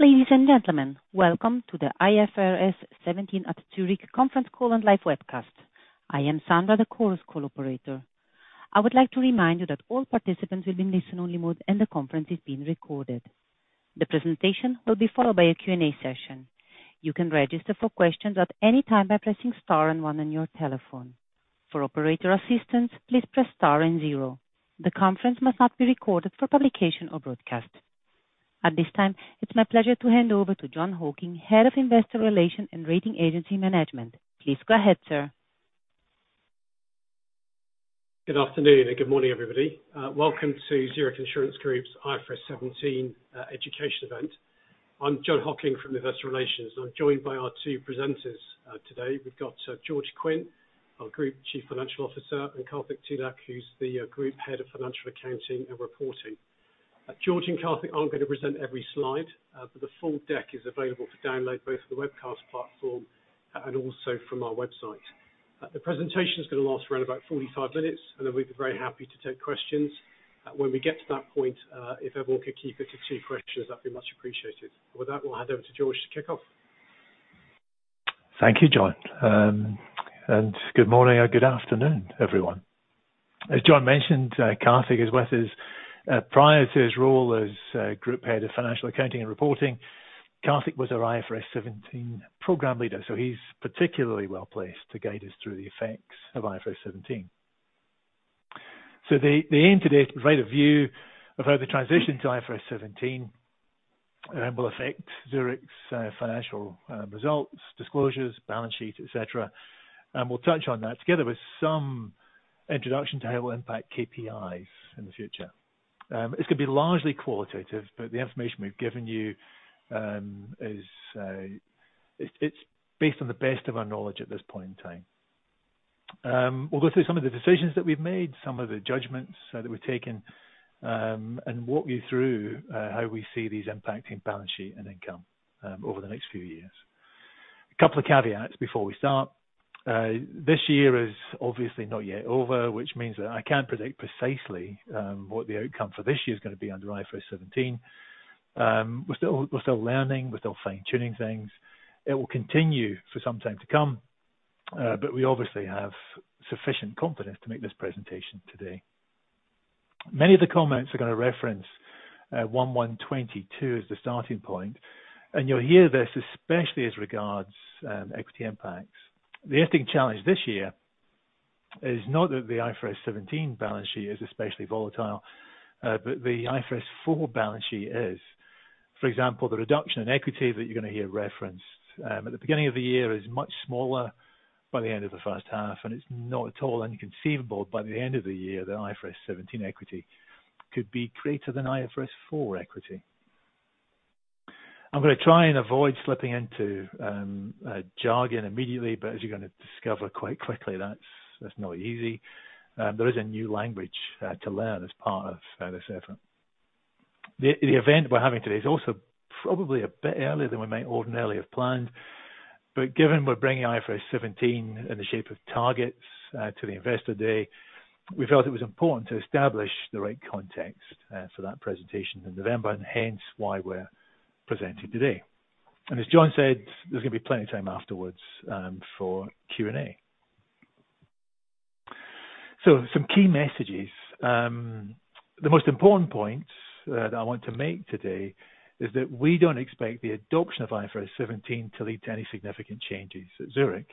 Ladies and gentlemen, welcome to the IFRS 17 at Zurich conference call and live webcast. I am Sandra, the Chorus Call operator. I would like to remind you that all participants will be in listen only mode and the conference is being recorded. The presentation will be followed by a Q&A session. You can register for questions at any time by pressing star and one on your telephone. For operator assistance, please press star and zero. The conference must not be recorded for publication or broadcast. At this time, it's my pleasure to hand over to Jon Hocking, Head of Investor Relations and Rating Agency Management. Please go ahead, sir. Good afternoon and good morning, everybody. Welcome to Zurich Insurance Group's IFRS 17 education event. I'm Jon Hocking from Investor Relations, and I'm joined by our two presenters today. We've got George Quinn, our Group Chief Financial Officer, and Karthik Thilak, who's the Group Head of Financial Accounting and Reporting. George and Karthik aren't going to present every slide, but the full deck is available to download both from the webcast platform and also from our website. The presentation is going to last around about 45 minutes, and then we'd be very happy to take questions. When we get to that point, if everyone could keep it to two questions, that'd be much appreciated. With that, we'll hand over to George to kick off. Thank you, Jon. Good morning or good afternoon, everyone. As Jon mentioned, Karthik is with us. Prior to his role as group head of financial accounting and reporting, Karthik was our IFRS 17 program leader, so he's particularly well-placed to guide us through the effects of IFRS 17. The aim today is to provide a view of how the transition to IFRS 17 will affect Zurich's financial results, disclosures, balance sheet, et cetera. We'll touch on that together with some introduction to how it will impact KPIs in the future. It's going to be largely qualitative, but the information we've given you is based on the best of our knowledge at this point in time. We'll go through some of the decisions that we've made, some of the judgments that we've taken, and walk you through how we see these impacting balance sheet and income over the next few years. A couple of caveats before we start. This year is obviously not yet over, which means that I can't predict precisely what the outcome for this year is going to be under IFRS 17. We're still learning. We're still fine-tuning things. It will continue for some time to come, but we obviously have sufficient confidence to make this presentation today. Many of the comments are going to reference 1/1/2022 as the starting point, and you'll hear this especially as regards equity impacts. The IFRS challenge this year is not that the IFRS 17 balance sheet is especially volatile, but the IFRS 4 balance sheet is. For example, the reduction in equity that you're going to hear referenced at the beginning of the year is much smaller by the end of the first half, and it's not at all inconceivable by the end of the year that IFRS 17 equity could be greater than IFRS 4 equity. I'm going to try and avoid slipping into jargon immediately, but as you're going to discover quite quickly, that's not easy. There is a new language to learn as part of this effort. The event we're having today is also probably a bit earlier than we might ordinarily have planned, but given we're bringing IFRS 17 in the shape of targets to the Investor Day, we felt it was important to establish the right context for that presentation in November and hence why we're presenting today. As John said, there's going to be plenty of time afterwards for Q&A. Some key messages. The most important point that I want to make today is that we don't expect the adoption of IFRS 17 to lead to any significant changes at Zurich.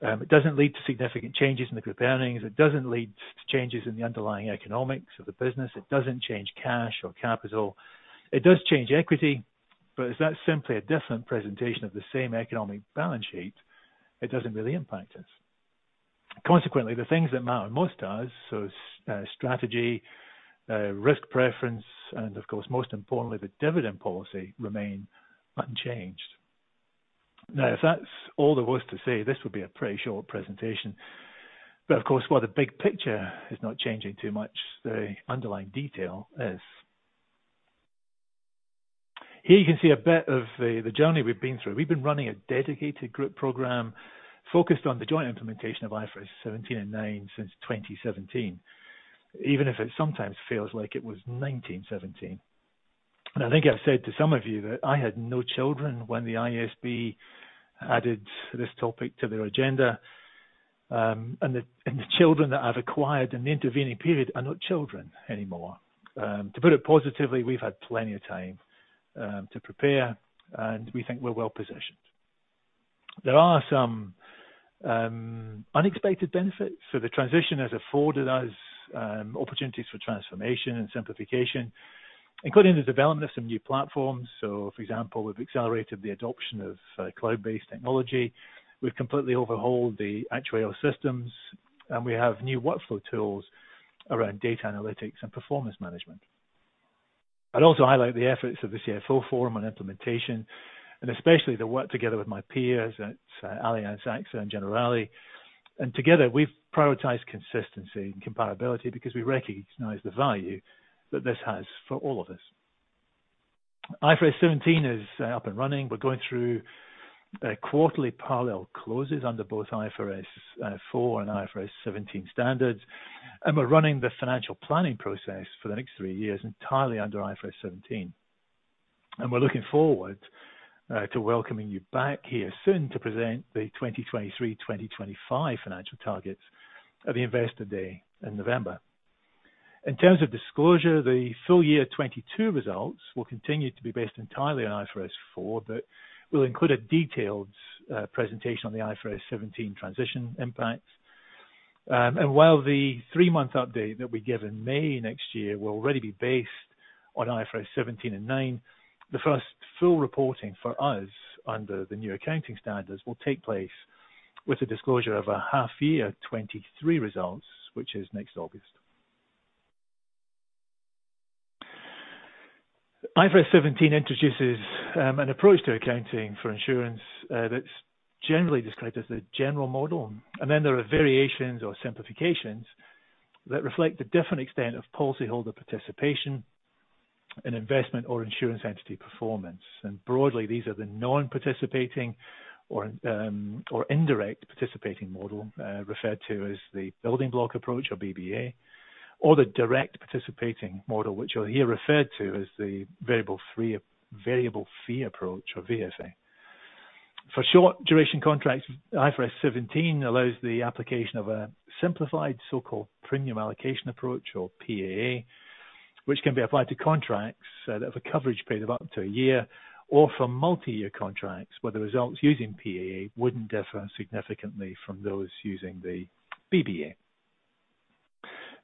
It doesn't lead to significant changes in the group earnings. It doesn't lead to changes in the underlying economics of the business. It doesn't change cash or capital. It does change equity, but as that's simply a different presentation of the same economic balance sheet, it doesn't really impact us. Consequently, the things that matter most to us, strategy, risk preference, and of course, most importantly, the dividend policy remain unchanged. Now, if that's all there was to say, this would be a pretty short presentation. Of course, while the big picture is not changing too much, the underlying detail is. Here you can see a bit of the journey we've been through. We've been running a dedicated group program focused on the joint implementation of IFRS 17 and 9 since 2017, even if it sometimes feels like it was 1917. I think I've said to some of you that I had no children when the IASB added this topic to their agenda, and the children that I've acquired in the intervening period are not children anymore. To put it positively, we've had plenty of time to prepare, and we think we're well-positioned. There are some unexpected benefits. The transition has afforded us opportunities for transformation and simplification, including the development of some new platforms. For example, we've accelerated the adoption of cloud-based technology. We've completely overhauled the actuarial systems, and we have new workflow tools around data analytics and performance management. I'd also highlight the efforts of the CFO Forum on implementation and especially the work together with my peers at Allianz, AXA and Generali. Together we've prioritized consistency and comparability because we recognize the value that this has for all of us. IFRS 17 is up and running. We're going through a quarterly parallel closes under both IFRS 4 and IFRS 17 standards. We're running the financial planning process for the next three years entirely under IFRS 17. We're looking forward to welcoming you back here soon to present the 2023-2025 financial targets at the Investor Day in November. In terms of disclosure, the full year 2022 results will continue to be based entirely on IFRS 4, but we'll include a detailed presentation on the IFRS 17 transition impact. While the three-month update that we give in May next year will already be based on IFRS 17 and nine, the first full reporting for us under the new accounting standards will take place with the disclosure of a half-year 2023 results, which is next August. IFRS 17 introduces an approach to accounting for insurance that's generally described as the general model. Then there are variations or simplifications that reflect the different extent of policyholder participation in investment or insurance entity performance. Broadly, these are the non-participating or indirect participating model referred to as the building block approach or BBA. The direct participating model, which are here referred to as the variable fee approach or VFA. For short duration contracts, IFRS 17 allows the application of a simplified so-called premium allocation approach or PAA, which can be applied to contracts that have a coverage period of up to a year. Or for multi-year contracts, where the results using PAA wouldn't differ significantly from those using the BBA.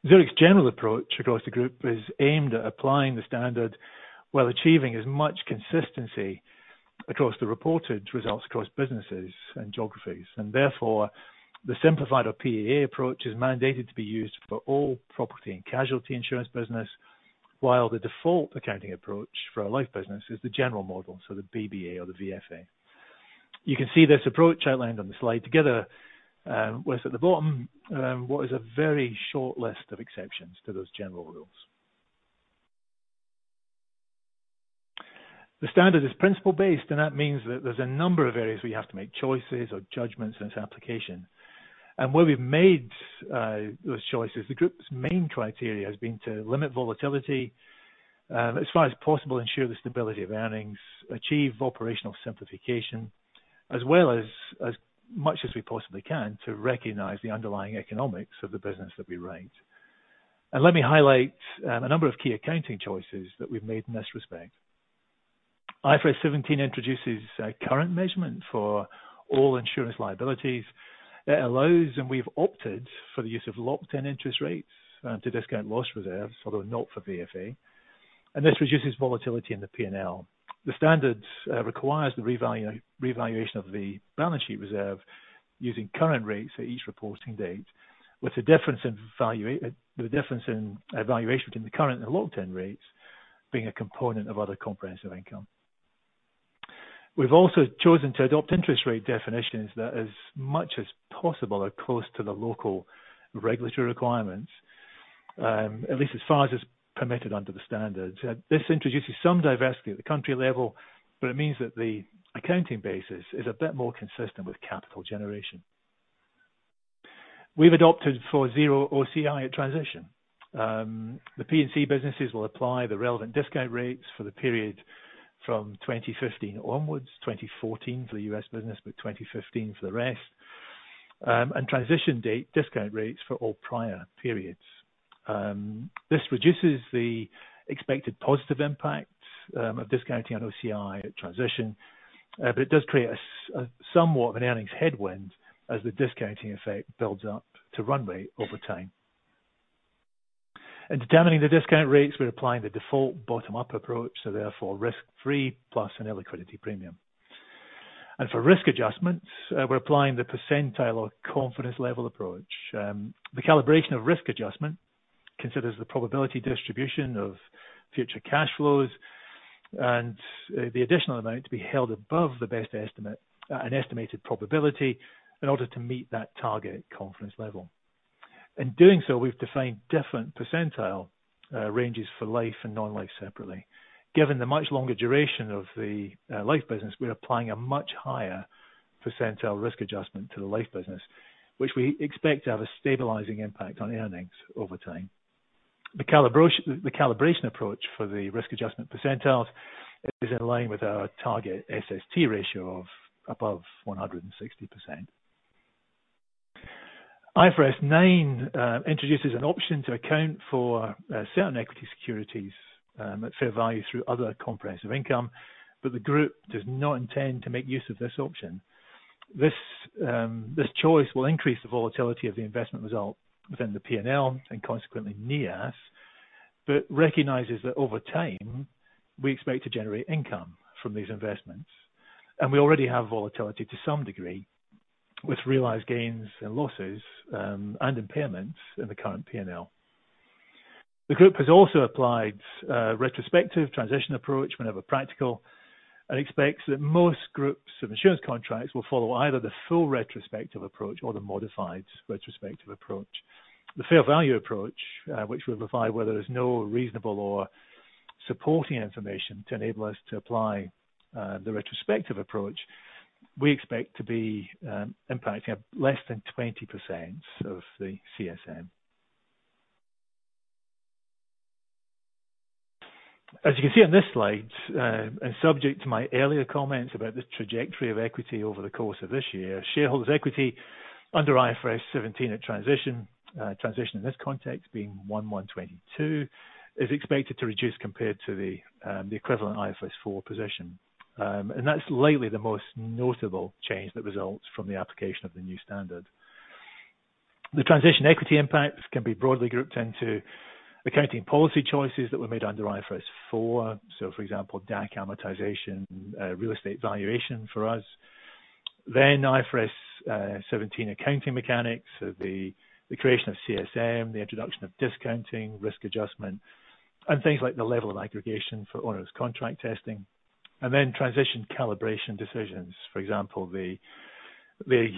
Zurich's general approach across the group is aimed at applying the standard while achieving as much consistency across the reported results across businesses and geographies. Therefore, the simplified or PAA approach is mandated to be used for all property and casualty insurance business. While the default accounting approach for our life business is the general model, so the BBA or the VFA. You can see this approach outlined on the slide together with, at the bottom, what is a very short list of exceptions to those general rules. The standard is principles-based, and that means that there's a number of areas we have to make choices or judgments in its application. Where we've made those choices, the group's main criteria has been to limit volatility, as far as possible, ensure the stability of earnings, achieve operational simplification, as well as much as we possibly can to recognize the underlying economics of the business that we write. Let me highlight a number of key accounting choices that we've made in this respect. IFRS 17 introduces a current measurement for all insurance liabilities. It allows, and we've opted for the use of locked-in interest rates, to discount loss reserves, although not for VFA, and this reduces volatility in the P&L. The standards requires the revaluation of the balance sheet reserve using current rates at each reporting date, with the difference in evaluation between the current and locked-in rates being a component of other comprehensive income. We've also chosen to adopt interest rate definitions that as much as possible are close to the local regulatory requirements, at least as far as is permitted under the standards. This introduces some diversity at the country level, but it means that the accounting basis is a bit more consistent with capital generation. We've adopted for zero OCI at transition. The P&C businesses will apply the relevant discount rates for the period from 2015 onwards, 2014 for the U.S. business, but 2015 for the rest. Transition date discount rates for all prior periods. This reduces the expected positive impact of discounting on OCI at transition. It does create somewhat of an earnings headwind as the discounting effect builds up to run rate over time. Determining the discount rates, we're applying the default bottom-up approach, so therefore risk-free plus an illiquidity premium. For risk adjustments, we're applying the percentile or confidence level approach. The calibration of risk adjustment considers the probability distribution of future cash flows and the additional amount to be held above the best estimate, an estimated probability in order to meet that target confidence level. In doing so, we've defined different percentile ranges for life and non-life separately. Given the much longer duration of the life business, we're applying a much higher percentile risk adjustment to the life business, which we expect to have a stabilizing impact on earnings over time. The calibration approach for the risk adjustment percentiles is in line with our target SST ratio of above 160%. IFRS 9 introduces an option to account for certain equity securities at fair value through other comprehensive income, but the group does not intend to make use of this option. This choice will increase the volatility of the investment result within the P&L and consequently NIAS, but recognizes that over time, we expect to generate income from these investments. We already have volatility to some degree with realized gains and losses, and impairments in the current P&L. The group has also applied retrospective transition approach whenever practical, and expects that most groups of insurance contracts will follow either the full retrospective approach or the modified retrospective approach. The fair value approach, which we'll apply whether there's no reasonable or supporting information to enable us to apply the retrospective approach, we expect to be impacting less than 20% of the CSM. As you can see on this slide, and subject to my earlier comments about the trajectory of equity over the course of this year, shareholders' equity under IFRS 17 at transition in this context being 1/1/2022, is expected to reduce compared to the equivalent IFRS 4 position. That's largely the most notable change that results from the application of the new standard. The transition equity impacts can be broadly grouped into accounting policy choices that were made under IFRS 4. For example, DAC amortization, real estate valuation for us. IFRS 17 accounting mechanics. The creation of CSM, the introduction of discounting, risk adjustment, and things like the level of aggregation for onerous contract testing, and then transition calibration decisions. For example, the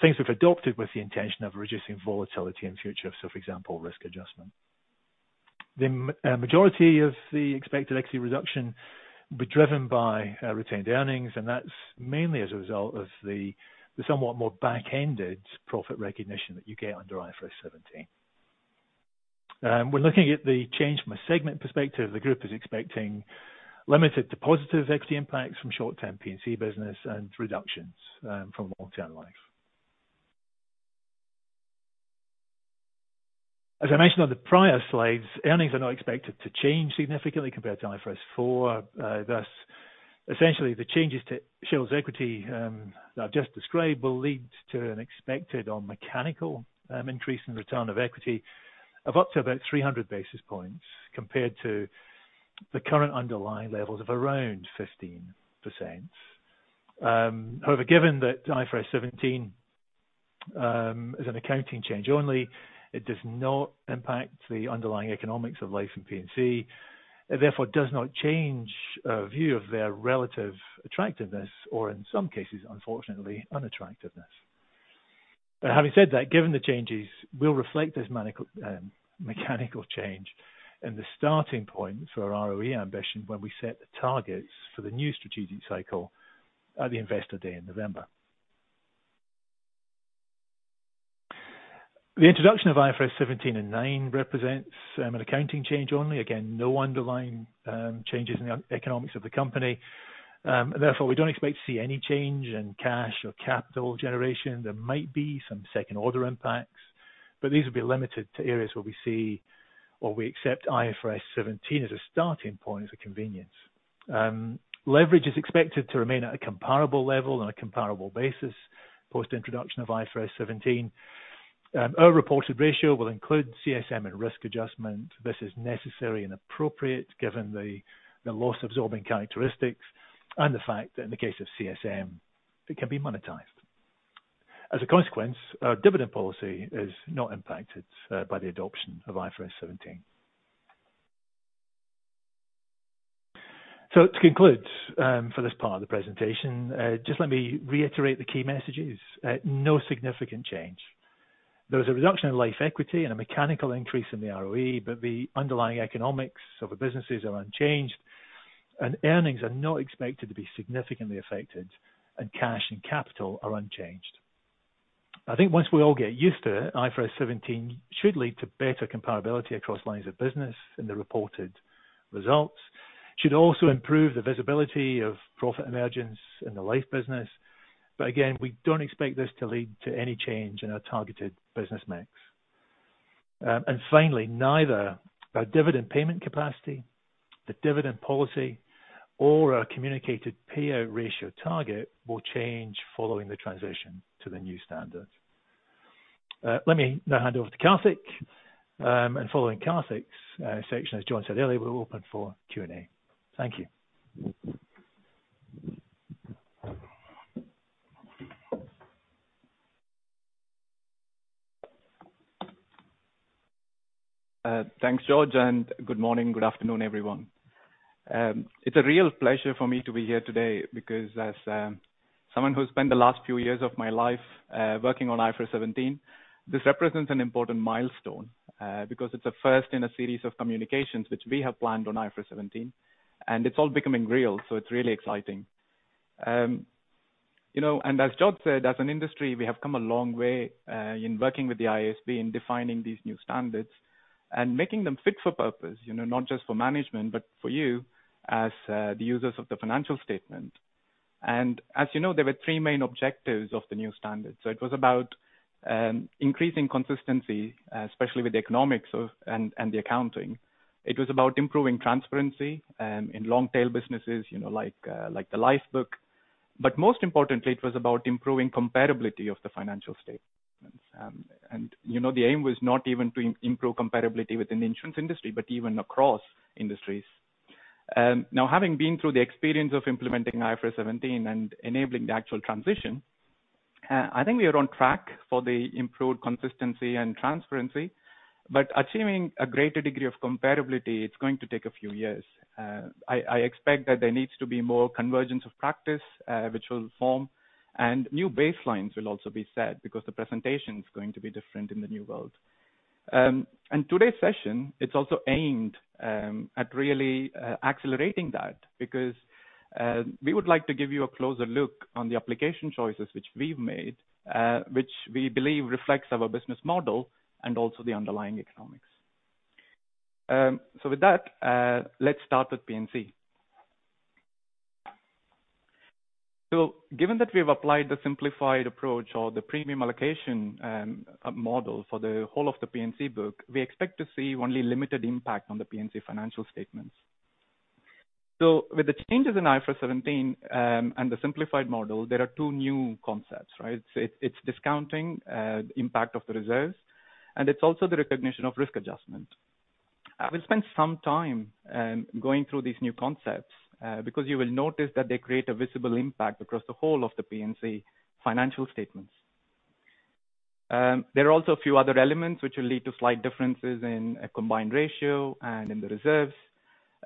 things we've adopted with the intention of reducing volatility in future. For example, risk adjustment. The majority of the expected equity reduction will be driven by retained earnings, and that's mainly as a result of the somewhat more back-ended profit recognition that you get under IFRS 17. We're looking at the change from a segment perspective. The group is expecting limited to positive equity impacts from short-term P&C business and reductions from long-term life. As I mentioned on the prior slides, earnings are not expected to change significantly compared to IFRS 4. Thus, essentially the changes to shareholders' equity that I've just described will lead to an expected mechanical increase in return on equity of up to about 300 basis points compared to the current underlying levels of around 15%. However, given that IFRS 17 is an accounting change only, it does not impact the underlying economics of life and P&C and therefore does not change our view of their relative attractiveness or in some cases, unfortunately, unattractiveness. Having said that, given the changes, we'll reflect this mechanical change and the starting point for our ROE ambition when we set the targets for the new strategic cycle at the Investor Day in November. The introduction of IFRS 17 and 9 represents an accounting change only. Again, no underlying changes in the economics of the company. Therefore, we don't expect to see any change in cash or capital generation. There might be some second-order impacts, but these will be limited to areas where we see or we accept IFRS 17 as a starting point as a convenience. Leverage is expected to remain at a comparable level on a comparable basis post-introduction of IFRS 17. Our reported ratio will include CSM and risk adjustment. This is necessary and appropriate given the loss-absorbing characteristics and the fact that in the case of CSM, it can be monetized. As a consequence, our dividend policy is not impacted by the adoption of IFRS 17. To conclude, for this part of the presentation, just let me reiterate the key messages. No significant change. There is a reduction in life equity and a mechanical increase in the ROE, but the underlying economics of the businesses are unchanged and earnings are not expected to be significantly affected and cash and capital are unchanged. I think once we all get used to it, IFRS 17 should lead to better comparability across lines of business in the reported results. Should also improve the visibility of profit emergence in the life business. Again, we don't expect this to lead to any change in our targeted business mix. Finally, neither our dividend payment capacity, the dividend policy, or our communicated payout ratio target will change following the transition to the new standards. Let me now hand over to Karthik. Following Karthik's section, as Jon said earlier, we'll open for Q&A. Thank you. Thanks, George, and good morning, good afternoon, everyone. It's a real pleasure for me to be here today because as someone who spent the last few years of my life working on IFRS 17, this represents an important milestone because it's a first in a series of communications which we have planned on IFRS 17, and it's all becoming real, so it's really exciting. You know, as George said, as an industry, we have come a long way in working with the IASB in defining these new standards and making them fit for purpose, you know, not just for management, but for you as the users of the financial statement. As you know, there were three main objectives of the new standard. It was about increasing consistency, especially with the economics of and the accounting. It was about improving transparency in long-tail businesses, you know, like the life book. Most importantly, it was about improving comparability of the financial statements. You know, the aim was not even to improve comparability within the insurance industry, but even across industries. Now having been through the experience of implementing IFRS 17 and enabling the actual transition, I think we are on track for the improved consistency and transparency. Achieving a greater degree of comparability, it's going to take a few years. I expect that there needs to be more convergence of practice, which will form and new baselines will also be set because the presentation's going to be different in the new world. Today's session is also aimed at really accelerating that because we would like to give you a closer look on the application choices which we've made, which we believe reflects our business model and also the underlying economics. With that, let's start with P&C. Given that we have applied the simplified approach or the premium allocation model for the whole of the P&C book, we expect to see only limited impact on the P&C financial statements. With the changes in IFRS 17, and the simplified model, there are two new concepts, right? It's discounting impact of the reserves, and it's also the recognition of risk adjustment. We'll spend some time going through these new concepts because you will notice that they create a visible impact across the whole of the P&C financial statements. There are also a few other elements which will lead to slight differences in a combined ratio and in the reserves,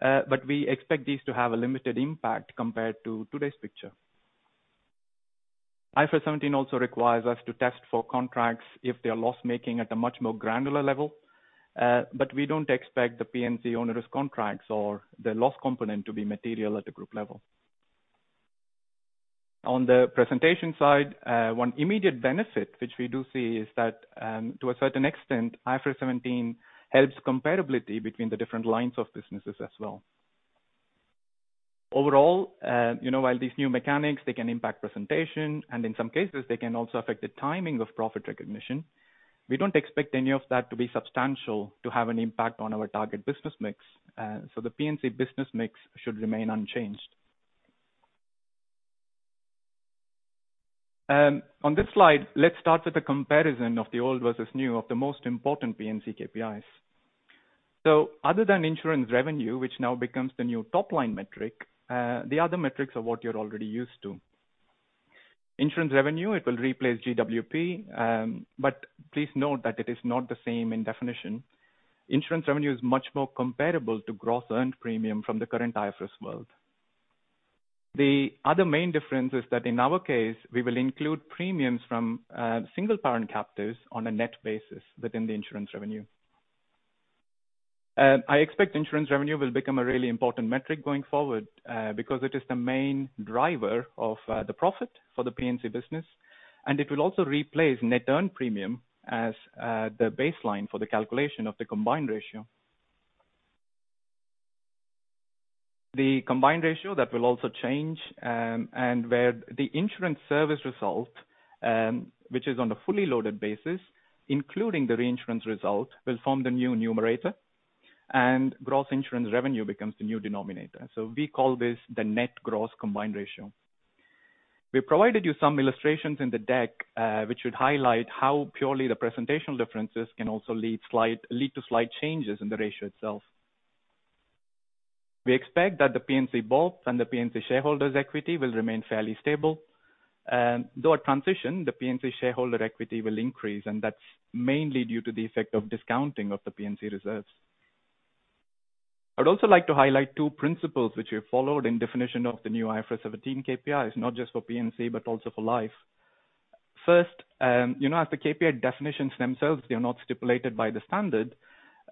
but we expect these to have a limited impact compared to today's picture. IFRS 17 also requires us to test for contracts if they are loss-making at a much more granular level, but we don't expect the P&C onerous contracts or the loss component to be material at the group level. On the presentation side, one immediate benefit which we do see is that, to a certain extent, IFRS 17 helps comparability between the different lines of businesses as well. Overall, you know, while these new mechanics, they can impact presentation, and in some cases, they can also affect the timing of profit recognition, we don't expect any of that to be substantial to have an impact on our target business mix. The P&C business mix should remain unchanged. On this slide, let's start with a comparison of the old versus new of the most important P&C KPIs. Other than insurance revenue, which now becomes the new top-line metric, the other metrics are what you're already used to. Insurance revenue, it will replace GWP, but please note that it is not the same in definition. Insurance revenue is much more comparable to gross earned premium from the current IFRS world. The other main difference is that in our case, we will include premiums from single parent captives on a net basis within the insurance revenue. I expect insurance revenue will become a really important metric going forward because it is the main driver of the profit for the P&C business, and it will also replace net earned premium as the baseline for the calculation of the combined ratio. The combined ratio, that will also change, and where the insurance service result, which is on a fully loaded basis, including the reinsurance result, will form the new numerator, and gross insurance revenue becomes the new denominator. We call this the net gross combined ratio. We've provided you some illustrations in the deck, which would highlight how purely the presentational differences can also lead to slight changes in the ratio itself. We expect that the P&C book and the P&C shareholders' equity will remain fairly stable. Though at transition, the P&C shareholder equity will increase, and that's mainly due to the effect of discounting of the P&C reserves. I'd also like to highlight two principles which we followed in definition of the new IFRS 17 KPIs, not just for P&C, but also for life. First, you know, as the KPI definitions themselves, they are not stipulated by the standard.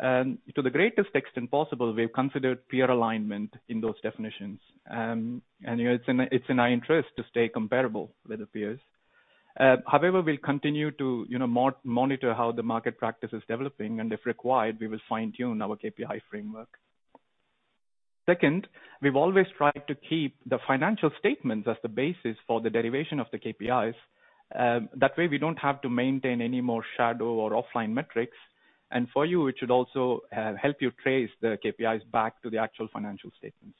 To the greatest extent possible, we've considered peer alignment in those definitions. And it's in our interest to stay comparable with the peers. However, we'll continue to, you know, monitor how the market practice is developing, and if required, we will fine-tune our KPI framework. Second, we've always tried to keep the financial statements as the basis for the derivation of the KPIs. That way we don't have to maintain any more shadow or offline metrics. For you, it should also help you trace the KPIs back to the actual financial statements.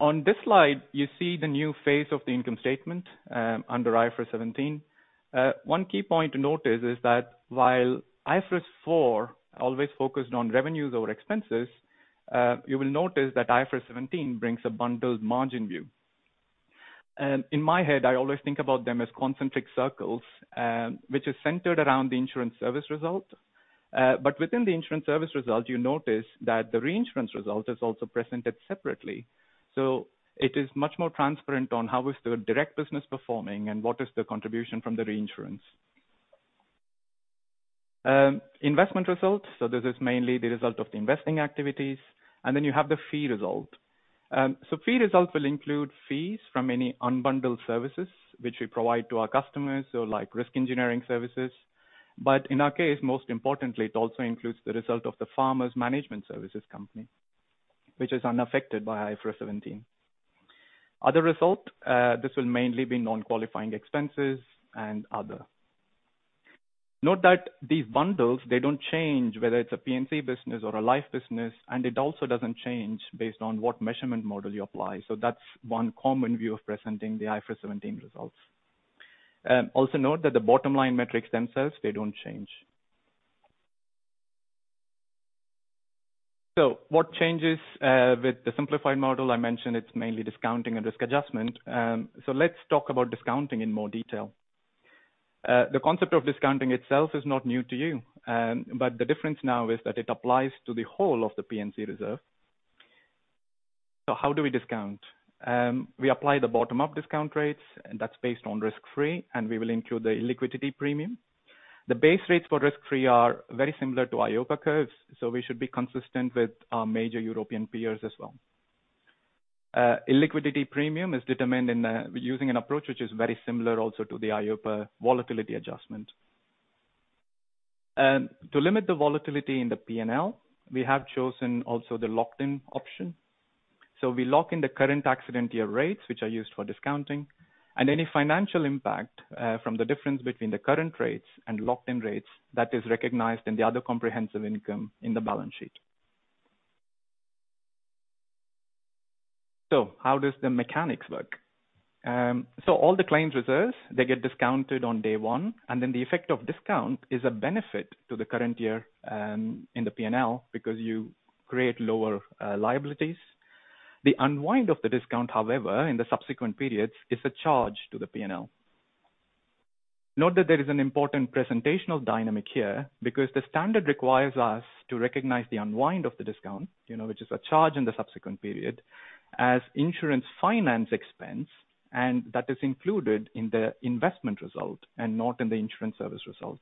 On this slide, you see the new phase of the income statement under IFRS 17. One key point to note is that while IFRS 4 always focused on revenues over expenses, you will notice that IFRS 17 brings a bundled margin view. In my head, I always think about them as concentric circles, which is centered around the insurance service result. Within the insurance service result, you notice that the reinsurance result is also presented separately. It is much more transparent on how is the direct business performing and what is the contribution from the reinsurance. Investment results, so this is mainly the result of the investing activities. You have the fee result. Fee result will include fees from any unbundled services which we provide to our customers, so like risk engineering services. In our case, most importantly, it also includes the result of the Farmers Management Services company, which is unaffected by IFRS 17. Other result, this will mainly be non-qualifying expenses and other. Note that these bundles, they don't change whether it's a P&C business or a life business, and it also doesn't change based on what measurement model you apply. That's one common view of presenting the IFRS 17 results. Also note that the bottom line metrics themselves, they don't change. What changes with the simplified model? I mentioned it's mainly discounting and risk adjustment. Let's talk about discounting in more detail. The concept of discounting itself is not new to you, but the difference now is that it applies to the whole of the P&C reserve. How do we discount? We apply the bottom-up discount rates, and that's based on risk-free, and we will include the illiquidity premium. The base rates for risk-free are very similar to EIOPA curves, so we should be consistent with our major European peers as well. Illiquidity premium is determined using an approach which is very similar also to the EIOPA volatility adjustment. To limit the volatility in the P&L, we have chosen also the locked-in option. We lock in the current accident year rates, which are used for discounting and any financial impact from the difference between the current rates and locked-in rates that is recognized in the other comprehensive income in the balance sheet. How does the mechanics work? All the claims reserves, they get discounted on day one, and then the effect of discount is a benefit to the current year, in the P&L because you create lower, liabilities. The unwind of the discount, however, in the subsequent periods, is a charge to the P&L. Note that there is an important presentational dynamic here because the standard requires us to recognize the unwind of the discount, you know, which is a charge in the subsequent period as insurance finance expense, and that is included in the investment result and not in the insurance service result.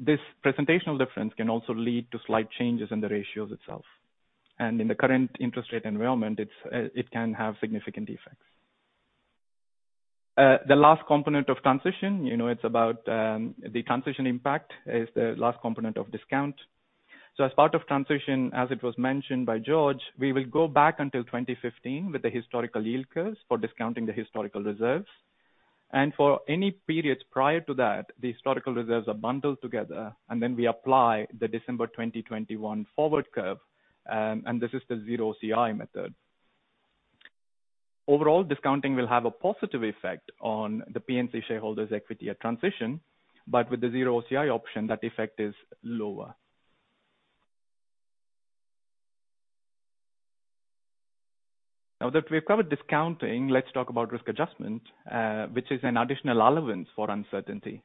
This presentational difference can also lead to slight changes in the ratios itself. In the current interest rate environment, it can have significant effects. The last component of the transition impact is the discount. As part of transition, as it was mentioned by George, we will go back until 2015 with the historical yield curves for discounting the historical reserves. For any periods prior to that, the historical reserves are bundled together, and then we apply the December 2021 forward curve, and this is the zero OCI method. Overall, discounting will have a positive effect on the P&C shareholders' equity at transition, but with the zero OCI option, that effect is lower. Now that we've covered discounting, let's talk about risk adjustment, which is an additional allowance for uncertainty.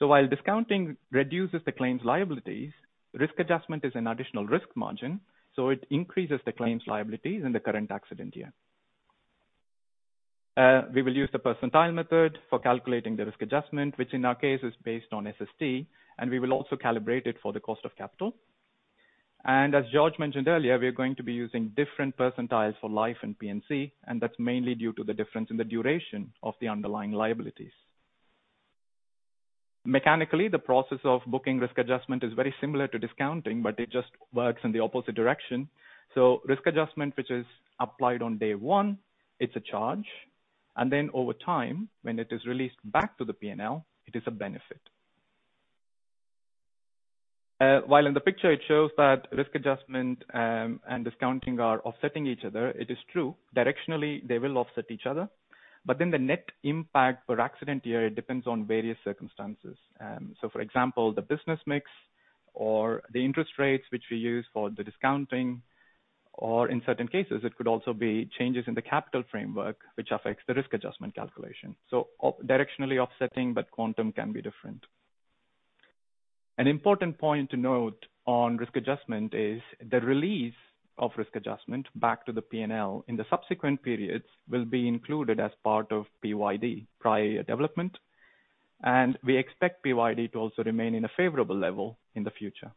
While discounting reduces the claims liabilities, risk adjustment is an additional risk margin, so it increases the claims liabilities in the current accident year. We will use the percentile method for calculating the risk adjustment, which in our case is based on SST, and we will also calibrate it for the cost of capital. As George mentioned earlier, we are going to be using different percentiles for life and P&C, and that's mainly due to the difference in the duration of the underlying liabilities. Mechanically, the process of booking risk adjustment is very similar to discounting, but it just works in the opposite direction. Risk adjustment, which is applied on day one, it's a charge. Then over time, when it is released back to the P&L, it is a benefit. While in the picture it shows that risk adjustment and discounting are offsetting each other, it is true. Directionally, they will offset each other. The net impact per accident year depends on various circumstances. For example, the business mix or the interest rates which we use for the discounting, or in certain cases it could also be changes in the capital framework which affects the risk adjustment calculation. Directionally offsetting, but quantum can be different. An important point to note on risk adjustment is the release of risk adjustment back to the P&L in the subsequent periods will be included as part of PYD, prior year development. We expect PYD to also remain in a favorable level in the future.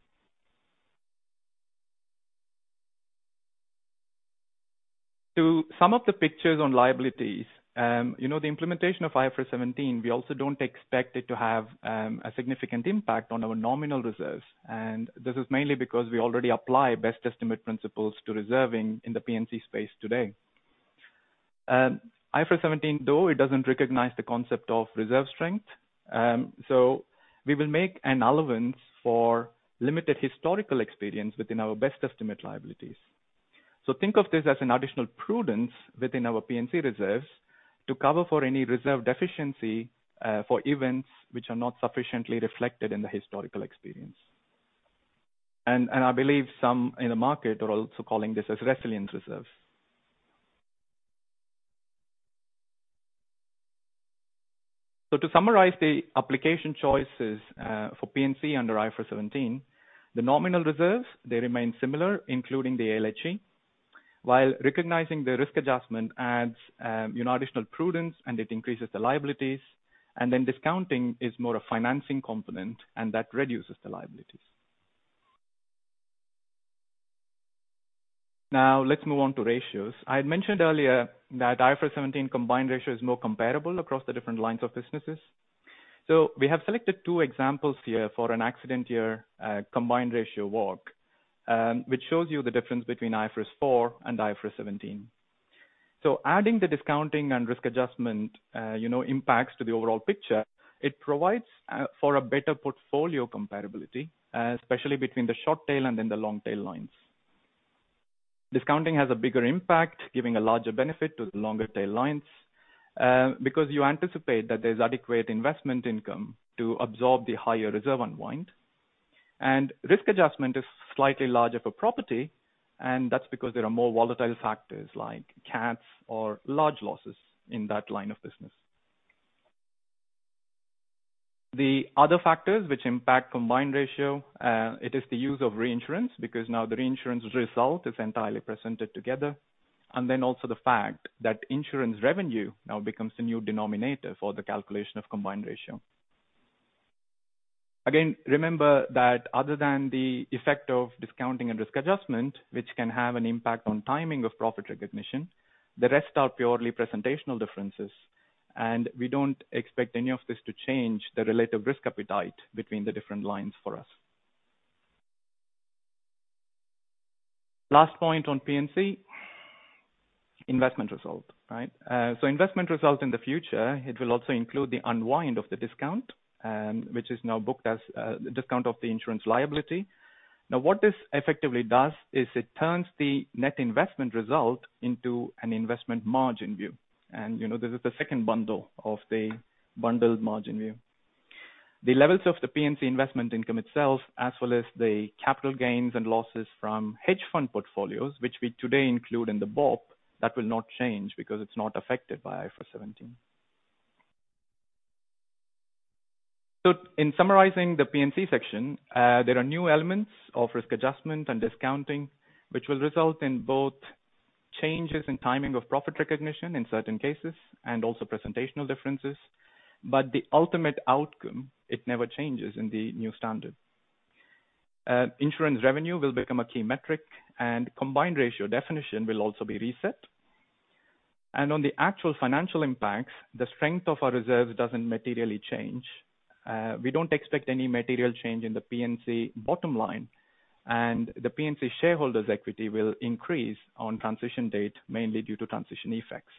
To some of the pictures on liabilities, you know, the implementation of IFRS 17, we also don't expect it to have a significant impact on our nominal reserves, and this is mainly because we already apply best estimate principles to reserving in the P&C space today. IFRS 17, though it doesn't recognize the concept of reserve strength, so we will make an allowance for limited historical experience within our best estimate liabilities. Think of this as an additional prudence within our P&C reserves to cover for any reserve deficiency, for events which are not sufficiently reflected in the historical experience. I believe some in the market are also calling this as resilience reserves. To summarize the application choices, for P&C under IFRS 17, the nominal reserves, they remain similar, including the LHE, while recognizing the risk adjustment adds, you know, additional prudence and it increases the liabilities. Then discounting is more a financing component and that reduces the liabilities. Now let's move on to ratios. I had mentioned earlier that IFRS 17 combined ratio is more comparable across the different lines of businesses. We have selected two examples here for an accident year combined ratio walk, which shows you the difference between IFRS 4 and IFRS 17. Adding the discounting and risk adjustment, you know, impacts to the overall picture, it provides for a better portfolio compatibility, especially between the short tail and then the long tail lines. Discounting has a bigger impact, giving a larger benefit to the longer tail lines, because you anticipate that there's adequate investment income to absorb the higher reserve unwind. Risk adjustment is slightly larger for property, and that's because there are more volatile factors like cats or large losses in that line of business. The other factors which impact combined ratio, it is the use of reinsurance because now the reinsurance result is entirely presented together, and then also the fact that insurance revenue now becomes the new denominator for the calculation of combined ratio. Again, remember that other than the effect of discounting and risk adjustment, which can have an impact on timing of profit recognition, the rest are purely presentational differences, and we don't expect any of this to change the relative risk appetite between the different lines for us. Last point on P&C, investment result, right? Investment result in the future, it will also include the unwind of the discount, which is now booked as discount of the insurance liability. Now what this effectively does is it turns the net investment result into an investment margin view. You know, this is the second bundle of the bundled margin view. The levels of the P&C investment income itself, as well as the capital gains and losses from hedge fund portfolios, which we today include in the BOP, that will not change because it's not affected by IFRS 17. In summarizing the P&C section, there are new elements of risk adjustment and discounting, which will result in both changes in timing of profit recognition in certain cases and also presentational differences. The ultimate outcome, it never changes in the new standard. Insurance revenue will become a key metric, and combined ratio definition will also be reset. On the actual financial impacts, the strength of our reserves doesn't materially change. We don't expect any material change in the P&C bottom line, and the P&C shareholders' equity will increase on transition date mainly due to transition effects.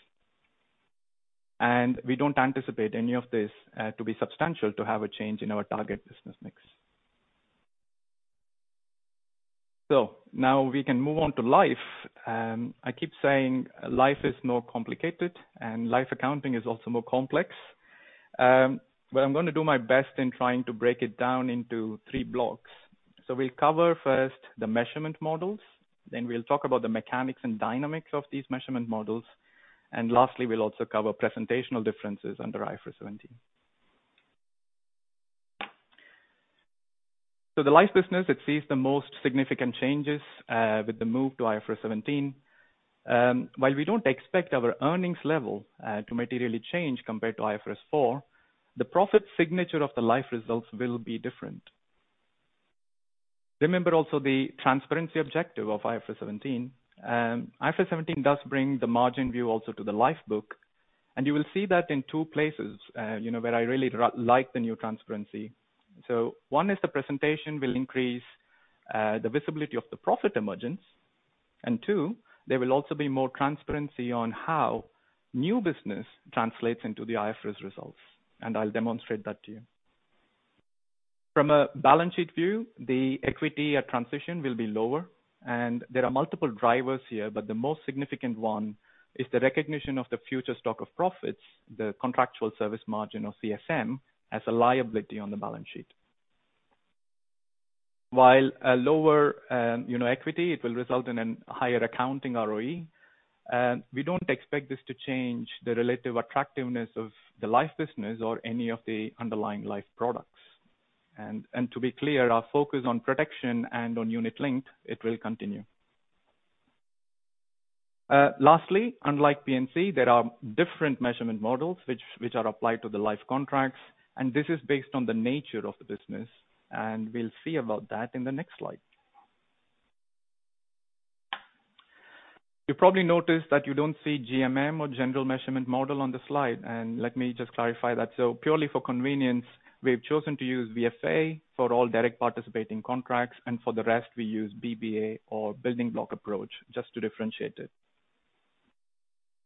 We don't anticipate any of this to be substantial to have a change in our target business mix. Now we can move on to life. I keep saying life is more complicated and life accounting is also more complex. I'm going to do my best in trying to break it down into three blocks. We'll cover first the measurement models, then we'll talk about the mechanics and dynamics of these measurement models. Lastly, we'll also cover presentational differences under IFRS 17. The life business, it sees the most significant changes with the move to IFRS 17. While we don't expect our earnings level to materially change compared to IFRS 4, the profit signature of the life results will be different. Remember also the transparency objective of IFRS 17. IFRS 17 does bring the margin view also to the life book, and you will see that in two places, you know, where I really like the new transparency. One is the presentation will increase the visibility of the profit emergence. Two, there will also be more transparency on how new business translates into the IFRS results, and I'll demonstrate that to you. From a balance sheet view, the equity at transition will be lower, and there are multiple drivers here, but the most significant one is the recognition of the future stock of profits, the contractual service margin or CSM, as a liability on the balance sheet. While a lower, you know, equity, it will result in a higher accounting ROE, we don't expect this to change the relative attractiveness of the life business or any of the underlying life products. To be clear, our focus on protection and on unit link, it will continue. Lastly, unlike P&C, there are different measurement models which are applied to the life contracts, and this is based on the nature of the business, and we'll see about that in the next slide. You probably noticed that you don't see GMM or general measurement model on the slide, and let me just clarify that. Purely for convenience, we've chosen to use VFA for all direct participating contracts, and for the rest, we use BBA or building block approach just to differentiate it.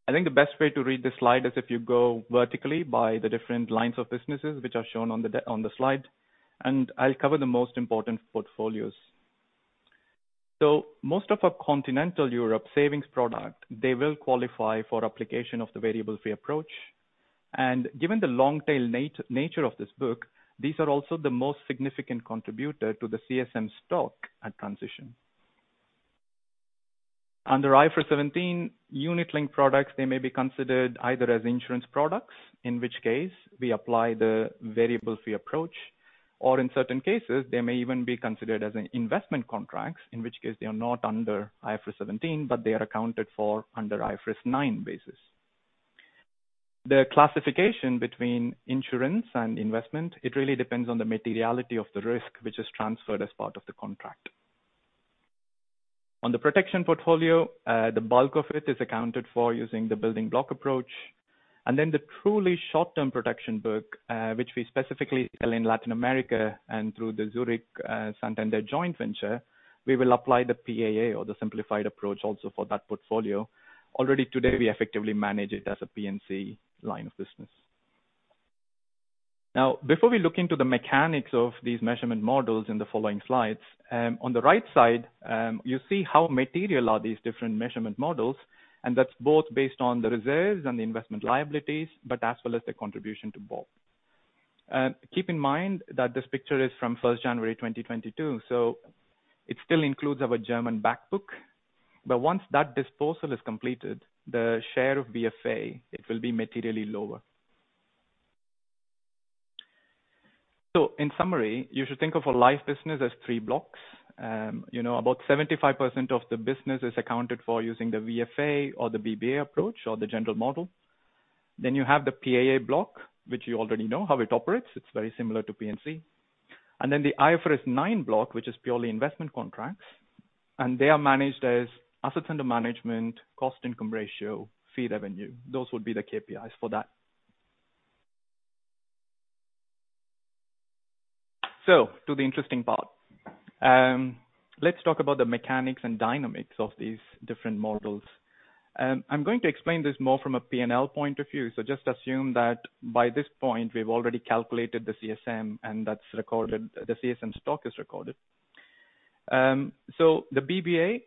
I think the best way to read this slide is if you go vertically by the different lines of businesses which are shown on the slide, and I'll cover the most important portfolios. Most of our continental Europe savings product, they will qualify for application of the variable fee approach. Given the long tail nature of this book, these are also the most significant contributor to the CSM stock at transition. Under IFRS 17, unit link products, they may be considered either as insurance products, in which case we apply the variable fee approach, or in certain cases, they may even be considered as an investment contracts, in which case they are not under IFRS 17, but they are accounted for under IFRS 9 basis. The classification between insurance and investment, it really depends on the materiality of the risk which is transferred as part of the contract. On the protection portfolio, the bulk of it is accounted for using the Building Block Approach. Then the truly short-term protection book, which we specifically sell in Latin America and through the Zurich, Santander joint venture, we will apply the PAA or the simplified approach also for that portfolio. Already today, we effectively manage it as a P&C line of business. Now, before we look into the mechanics of these measurement models in the following slides, on the right side, you see how material are these different measurement models, and that's both based on the reserves and the investment liabilities, but as well as the contribution to BOP. Keep in mind that this picture is from first January 2022, so it still includes our German back book. Once that disposal is completed, the share of VFA, it will be materially lower. In summary, you should think of a life business as three blocks. You know about 75% of the business is accounted for using the VFA or the BBA approach or the general model. Then you have the PAA block, which you already know how it operates. It's very similar to P&C. Then the IFRS 9 block, which is purely investment contracts, and they are managed as assets under management, cost-income ratio, fee revenue. Those would be the KPIs for that. To the interesting part. Let's talk about the mechanics and dynamics of these different models. I'm going to explain this more from a P&L point of view. Just assume that by this point we've already calculated the CSM, and that's recorded. The CSM stock is recorded. The BBA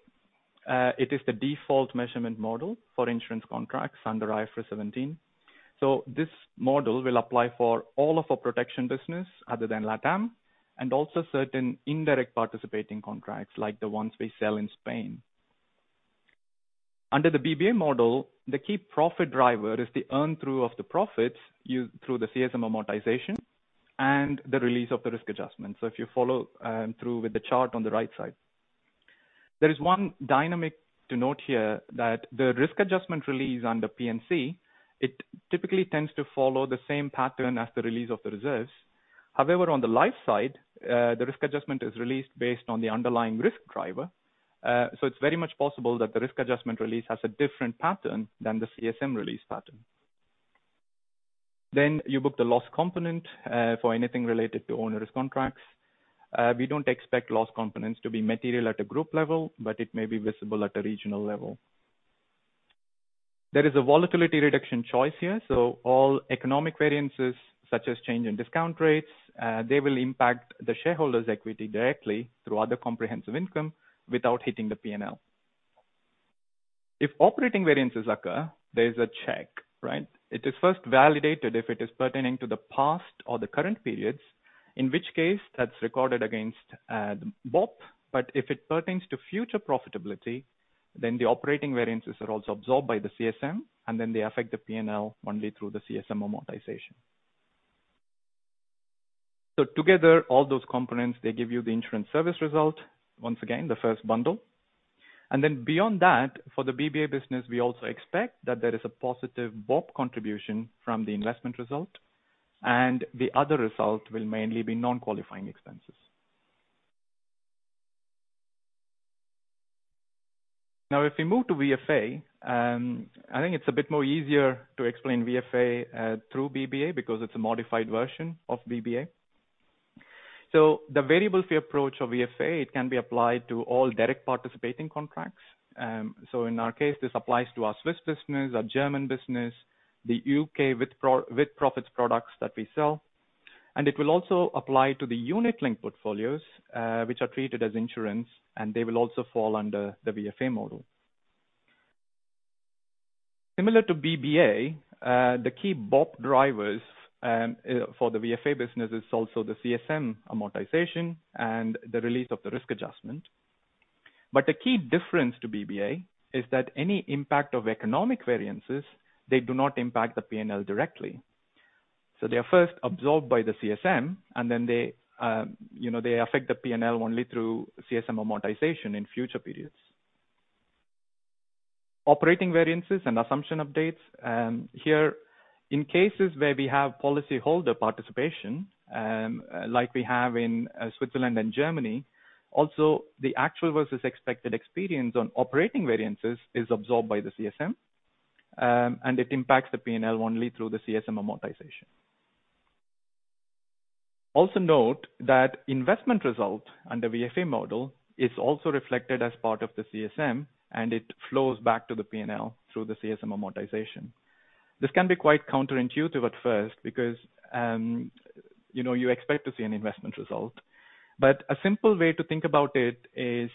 it is the default measurement model for insurance contracts under IFRS 17. This model will apply for all of our protection business other than Latam and also certain indirect participating contracts, like the ones we sell in Spain. Under the BBA model, the key profit driver is the earn through of the profits through the CSM amortization and the release of the risk adjustment. If you follow through with the chart on the right side. There is one dynamic to note here that the risk adjustment release under P&C, it typically tends to follow the same pattern as the release of the reserves. However, on the life side, the risk adjustment is released based on the underlying risk driver. It's very much possible that the risk adjustment release has a different pattern than the CSM release pattern. You book the loss component for anything related to onerous contracts. We don't expect loss components to be material at a group level, but it may be visible at a regional level. There is a volatility reduction choice here, so all economic variances such as change in discount rates, they will impact the shareholders' equity directly through other comprehensive income without hitting the P&L. If operating variances occur, there is a check, right? It is first validated if it is pertaining to the past or the current periods, in which case that's recorded against BOP. If it pertains to future profitability, then the operating variances are also absorbed by the CSM, and then they affect the P&L only through the CSM amortization. Together, all those components, they give you the insurance service result. Once again, the first bundle. Then beyond that, for the BBA business, we also expect that there is a positive BOP contribution from the investment result, and the other result will mainly be non-qualifying expenses. Now, if we move to VFA, I think it's a bit more easier to explain VFA through BBA because it's a modified version of BBA. The variable fee approach of VFA, it can be applied to all direct participating contracts. In our case, this applies to our Swiss business, our German business, the U.K with-profits products that we sell. It will also apply to the unit-linked portfolios, which are treated as insurance, and they will also fall under the VFA model. Similar to BBA, the key BOP drivers for the VFA business is also the CSM amortization and the release of the risk adjustment. The key difference to BBA is that any impact of economic variances, they do not impact the P&L directly. They are first absorbed by the CSM, and then they, you know, they affect the P&L only through CSM amortization in future periods. Operating variances and assumption updates. Here in cases where we have policyholder participation, like we have in Switzerland and Germany, also the actual versus expected experience on operating variances is absorbed by the CSM, and it impacts the P&L only through the CSM amortization. Also note that investment result under VFA model is also reflected as part of the CSM, and it flows back to the P&L through the CSM amortization. This can be quite counterintuitive at first because, you know, you expect to see an investment result. A simple way to think about it is,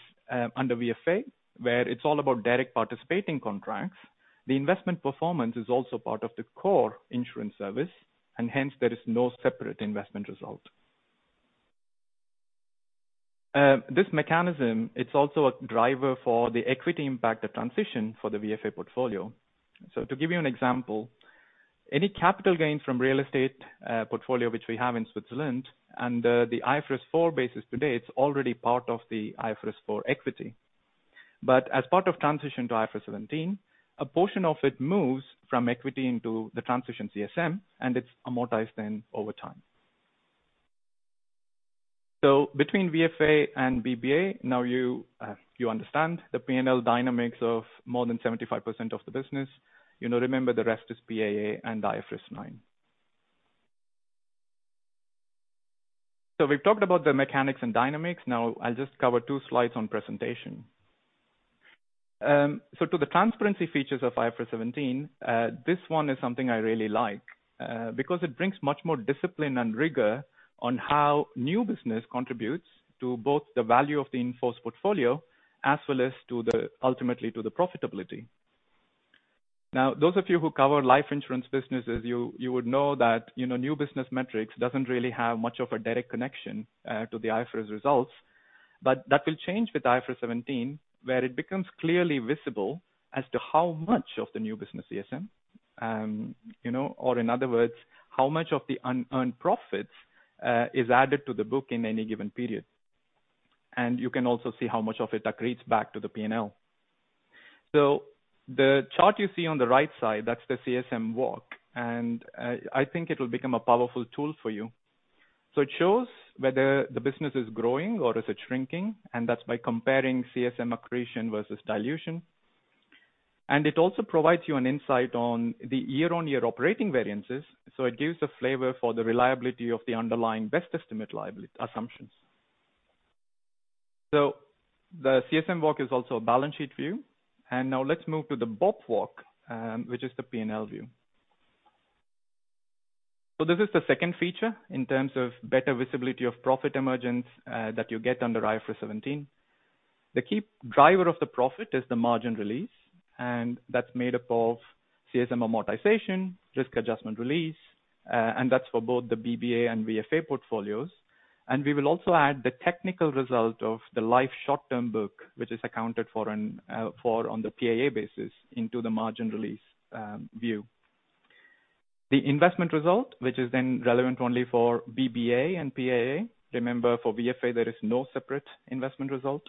under VFA, where it's all about direct participating contracts, the investment performance is also part of the core insurance service, and hence there is no separate investment result. This mechanism, it's also a driver for the equity impact of transition for the VFA portfolio. To give you an example, any capital gains from real estate portfolio, which we have in Switzerland and the IFRS 4 basis today, it's already part of the IFRS 4 equity. As part of transition to IFRS 17, a portion of it moves from equity into the transition CSM, and it's amortized then over time. Between VFA and BBA, now you understand the P&L dynamics of more than 75% of the business. You know, remember the rest is PAA and IFRS 9. We've talked about the mechanics and dynamics. Now I'll just cover two slides on presentation. To the transparency features of IFRS 17, this one is something I really like, because it brings much more discipline and rigor on how new business contributes to both the value of the in-force portfolio as well as to ultimately to the profitability. Now, those of you who cover life insurance businesses, you would know that, you know, new business metrics doesn't really have much of a direct connection to the IFRS results. That will change with IFRS 17, where it becomes clearly visible as to how much of the new business CSM, you know, or in other words, how much of the unearned profits, is added to the book in any given period. You can also see how much of it accretes back to the P&L. The chart you see on the right side, that's the CSM walk, and I think it will become a powerful tool for you. It shows whether the business is growing or is it shrinking, and that's by comparing CSM accretion versus dilution. It also provides you an insight on the year-on-year operating variances. It gives a flavor for the reliability of the underlying best estimate liability assumptions. The CSM walk is also a balance sheet view. Now let's move to the BOP walk, which is the P&L view. This is the second feature in terms of better visibility of profit emergence, that you get under IFRS 17. The key driver of the profit is the margin release, and that's made up of CSM amortization, risk adjustment release, and that's for both the BBA and VFA portfolios. We will also add the technical result of the life short-term book, which is accounted for on the PAA basis into the margin release, view. The investment result, which is then relevant only for BBA and PAA. Remember, for VFA there is no separate investment result.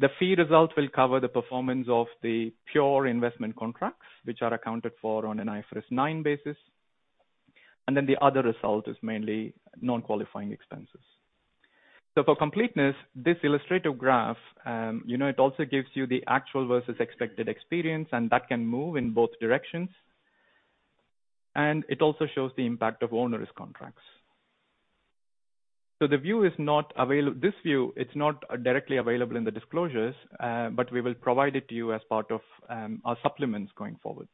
The fee result will cover the performance of the pure investment contracts, which are accounted for on an IFRS 9 basis. The other result is mainly non-qualifying expenses. For completeness, this illustrative graph, you know, it also gives you the actual versus expected experience and that can move in both directions. It also shows the impact of onerous contracts. The view, it's not directly available in the disclosures, but we will provide it to you as part of our supplements going forward.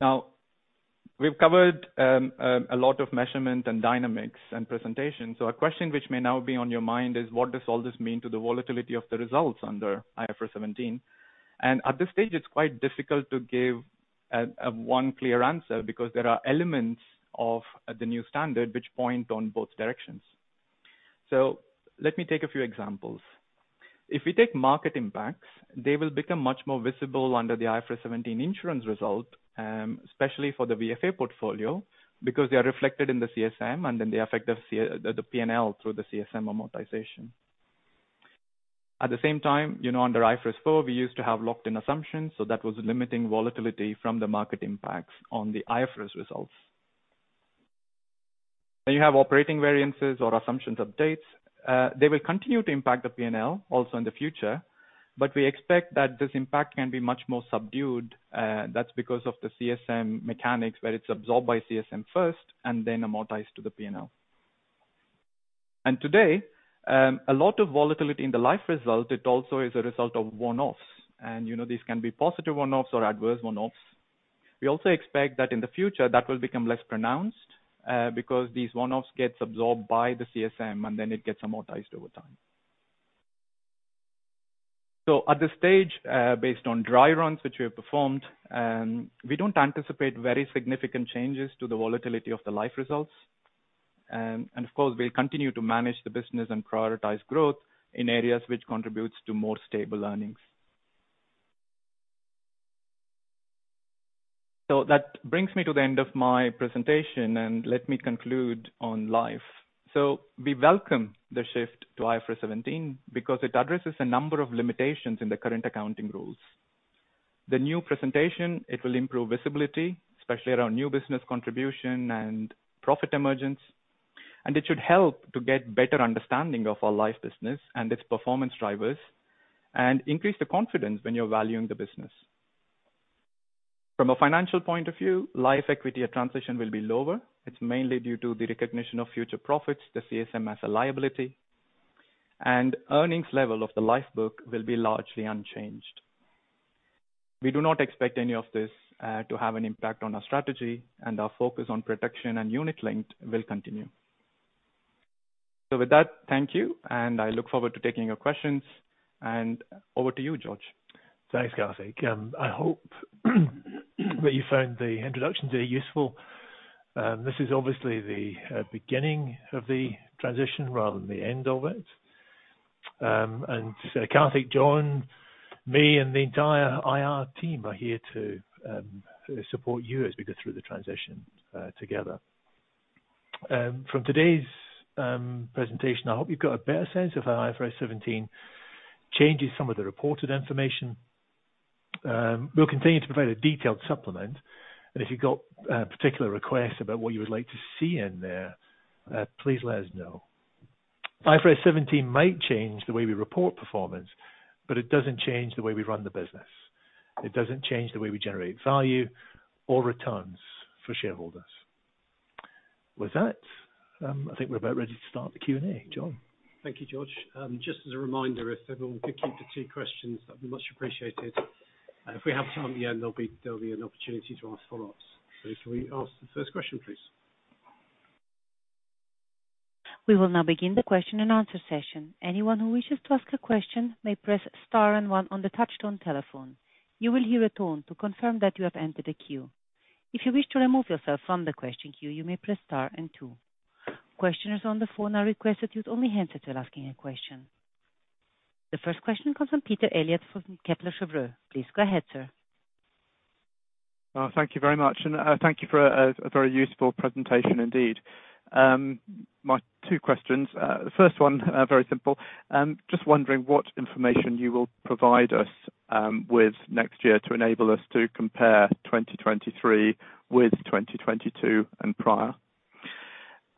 Now we've covered a lot of measurement and dynamics and presentation. A question which may now be on your mind is what does all this mean to the volatility of the results under IFRS 17? At this stage, it's quite difficult to give a one clear answer because there are elements of the new standard which point in both directions. Let me take a few examples. If we take market impacts, they will become much more visible under the IFRS 17 insurance result, especially for the VFA portfolio, because they are reflected in the CSM and in the effect of the P&L through the CSM amortization. At the same time, you know, under IFRS 4, we used to have locked-in assumptions, so that was limiting volatility from the market impacts on the IFRS results. When you have operating variances or assumptions updates, they will continue to impact the P&L also in the future, but we expect that this impact can be much more subdued. That's because of the CSM mechanics, where it's absorbed by CSM first and then amortized to the P&L. Today, a lot of volatility in the life result, it also is a result of one-offs. You know, these can be positive one-offs or adverse one-offs. We also expect in the future that will become less pronounced, because these one-offs gets absorbed by the CSM, and then it gets amortized over time. At this stage, based on dry runs which we have performed, we don't anticipate very significant changes to the volatility of the life results. Of course, we'll continue to manage the business and prioritize growth in areas which contributes to more stable earnings. That brings me to the end of my presentation, and let me conclude on life. We welcome the shift to IFRS 17 because it addresses a number of limitations in the current accounting rules. The new presentation, it will improve visibility, especially around new business contribution and profit emergence. It should help to get better understanding of our life business and its performance drivers and increase the confidence when you're valuing the business. From a financial point of view, life equity at transition will be lower. It's mainly due to the recognition of future profits, the CSM as a liability, and earnings level of the life book will be largely unchanged. We do not expect any of this to have an impact on our strategy and our focus on protection and unit-linked will continue. With that, thank you, and I look forward to taking your questions. Over to you, George. Thanks, Karthik. I hope that you found the introduction today useful. This is obviously the beginning of the transition rather than the end of it. Karthik, Jon, me, and the entire IR team are here to support you as we go through the transition together. From today's presentation, I hope you've got a better sense of how IFRS 17 changes some of the reported information. We'll continue to provide a detailed supplement, and if you've got a particular request about what you would like to see in there, please let us know. IFRS 17 might change the way we report performance, but it doesn't change the way we run the business. It doesn't change the way we generate value or returns for shareholders. With that, I think we're about ready to start the Q&A. Jon? Thank you, George. Just as a reminder, if everyone could keep to two questions, that'd be much appreciated. If we have time at the end, there'll be an opportunity to ask follow-ups. Can we ask the first question, please? We will now begin the question and answer session. Anyone who wishes to ask a question may press star and one on the touch-tone telephone. You will hear a tone to confirm that you have entered a queue. If you wish to remove yourself from the question queue, you may press star and two. Questioners on the phone are requested to only unmute while asking a question. The first question comes from Peter Eliot from Kepler Cheuvreux. Please go ahead, sir. Thank you very much. Thank you for a very useful presentation indeed. My two questions. The first one, very simple, just wondering what information you will provide us with next year to enable us to compare 2023 with 2022 and prior.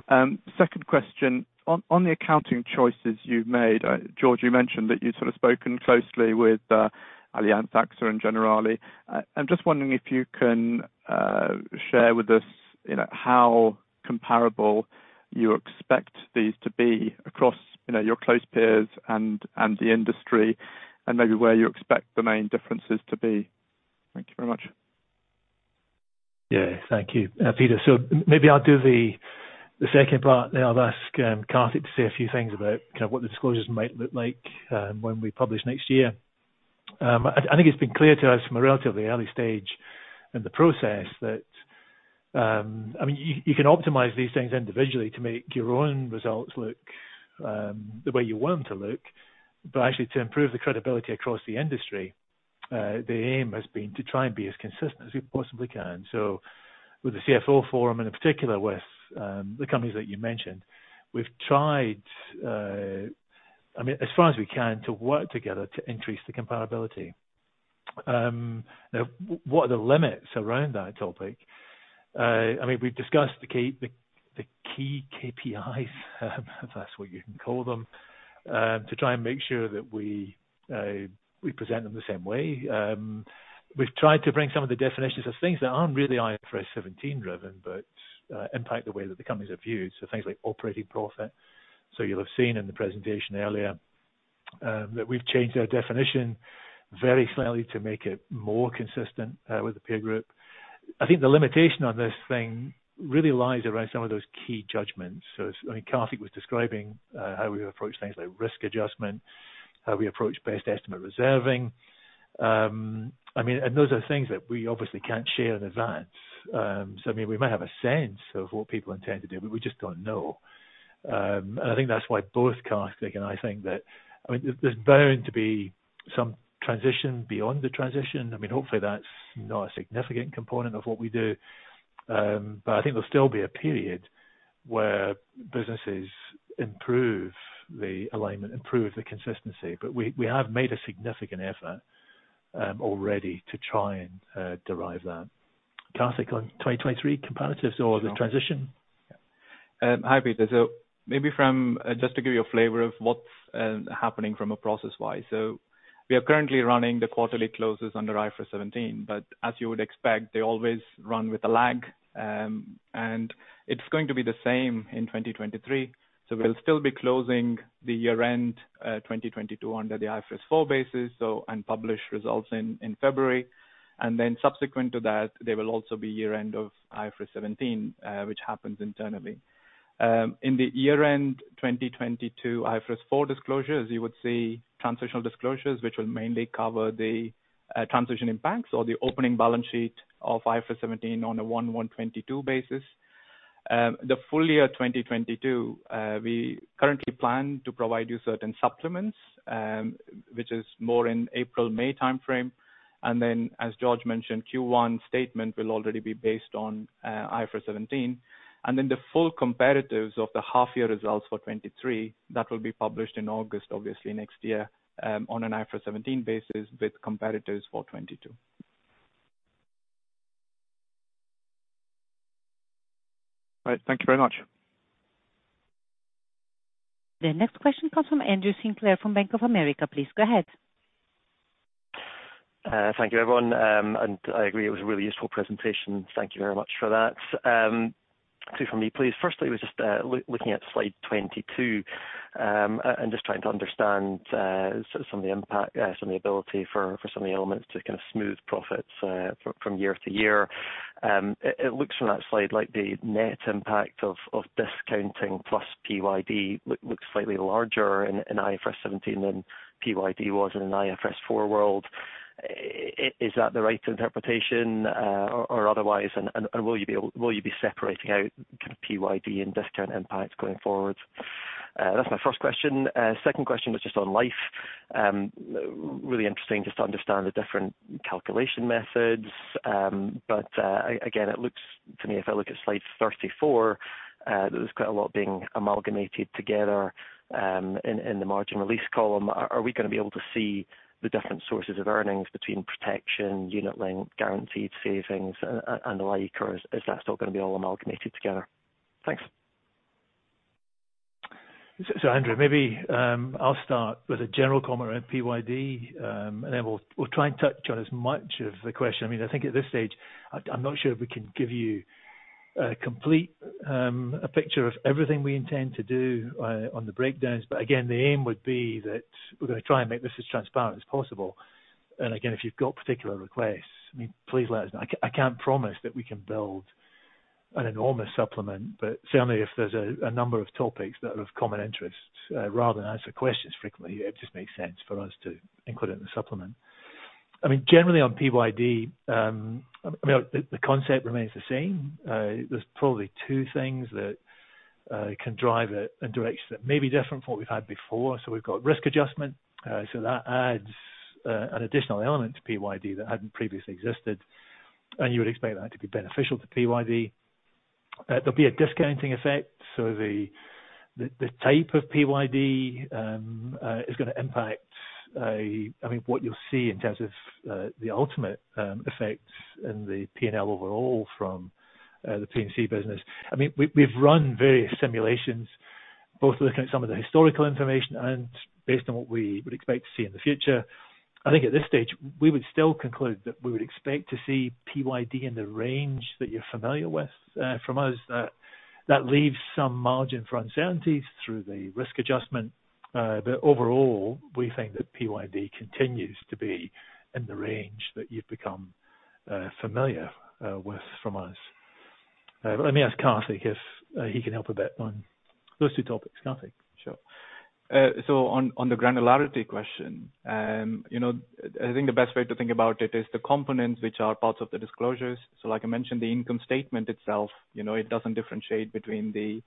Second question, on the accounting choices you've made, George, you mentioned that you'd sort of spoken closely with Allianz, AXA, and Generali. I'm just wondering if you can share with us, you know, how comparable you expect these to be across, you know, your close peers and the industry, and maybe where you expect the main differences to be. Thank you very much. Thank you, Peter. Maybe I'll do the second part, then I'll ask Karthik to say a few things about kind of what the disclosures might look like when we publish next year. I think it's been clear to us from a relatively early stage in the process that I mean, you can optimize these things individually to make your own results look the way you want them to look. Actually to improve the credibility across the industry, the aim has been to try and be as consistent as we possibly can. With the CFO Forum, and in particular with the companies that you mentioned, we've tried, I mean, as far as we can, to work together to increase the comparability. Now, what are the limits around that topic? I mean, we've discussed the key KPIs, if that's what you can call them, to try and make sure that we present them the same way. We've tried to bring some of the definitions of things that aren't really IFRS 17 driven, but impact the way that the companies are viewed. Things like operating profit. You'll have seen in the presentation earlier, that we've changed our definition very slightly to make it more consistent with the peer group. I think the limitation on this thing really lies around some of those key judgments. I mean, Karthik was describing how we approach things like risk adjustment, how we approach best estimate reserving. I mean, those are things that we obviously can't share in advance. I mean, we might have a sense of what people intend to do, but we just don't know. I think that's why both Karthik and I think that, I mean, there's bound to be some transition beyond the transition. I mean, hopefully that's not a significant component of what we do. I think there'll still be a period where businesses improve the alignment, improve the consistency. We have made a significant effort already to try and derive that. Karthik, on 2023 comparatives or the transition? Hi, Peter. Just to give you a flavor of what's happening from a process-wise. We are currently running the quarterly closes under IFRS 17, but as you would expect, they always run with a lag, and it's going to be the same in 2023. We'll still be closing the year-end 2022 under the IFRS 4 basis, and publish results in February. Subsequent to that, there will also be year-end of IFRS 17, which happens internally. In the year-end 2022 IFRS 4 disclosures, you would see transitional disclosures, which will mainly cover the transition impacts or the opening balance sheet of IFRS 17 on a 1/1/2022 basis. The full year 2022, we currently plan to provide you certain supplements, which is more in April-May timeframe. As George mentioned, Q1 statement will already be based on IFRS 17. The full comparatives of the half year results for 2023, that will be published in August, obviously next year, on an IFRS 17 basis with comparatives for 2022. All right. Thank you very much. The next question comes from Andrew Sinclair from Bank of America. Please go ahead. Thank you, everyone. I agree, it was a really useful presentation. Thank you very much for that. Two from me, please. Firstly, it was just looking at slide 22, and just trying to understand some of the impact, some of the ability for some of the elements to kind of smooth profits from year to year. It looks from that slide like the net impact of discounting plus PYD looks slightly larger in IFRS 17 than PYD was in an IFRS 4 world. Is that the right interpretation, or otherwise? Or will you be separating out kind of PYD and discount impacts going forward? That's my first question. Second question was just on life. Really interesting just to understand the different calculation methods. Again, it looks to me, if I look at slide 34, there's quite a lot being amalgamated together, in the margin release column. Are we gonna be able to see the different sources of earnings between protection, unit link, guaranteed savings, and the like, or is that still gonna be all amalgamated together? Thanks. Andrew, maybe I'll start with a general comment on PYD, and then we'll try and touch on as much of the question. I think at this stage, I'm not sure if we can give you a complete picture of everything we intend to do on the breakdowns. Again, the aim would be that we're gonna try and make this as transparent as possible. Again, if you've got particular requests, please let us know. I can't promise that we can build an enormous supplement, but certainly if there's a number of topics that are of common interest, rather than answer questions frequently, it just makes sense for us to include it in the supplement. Generally on PYD, the concept remains the same. There's probably two things that can drive it in directions that may be different from what we've had before. We've got risk adjustment. That adds an additional element to PYD that hadn't previously existed, and you would expect that to be beneficial to PYD. There'll be a discounting effect. The type of PYD is gonna impact, I mean, what you'll see in terms of the ultimate effects in the P&L overall from the P&C business. I mean, we've run various simulations, both looking at some of the historical information and based on what we would expect to see in the future. I think at this stage, we would still conclude that we would expect to see PYD in the range that you're familiar with from us. That leaves some margin for uncertainties through the risk adjustment. Overall, we think that PYD continues to be in the range that you've become familiar with from us. Let me ask Karthik if he can help a bit on those two topics. Karthik? Sure. On the granularity question, you know, I think the best way to think about it is the components which are parts of the disclosures. Like I mentioned, the income statement itself, you know, it doesn't differentiate between the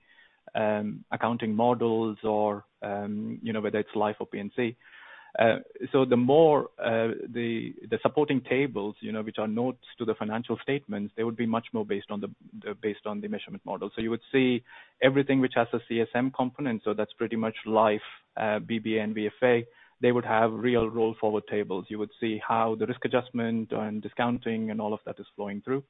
accounting models or, you know, whether it's life or P&C. The more, the supporting tables, you know, which are notes to the financial statements, they would be much more based on the measurement model. You would see everything which has a CSM component, so that's pretty much life, BBA and VFA. They would have real roll forward tables. You would see how the risk adjustment and discounting and all of that is flowing through.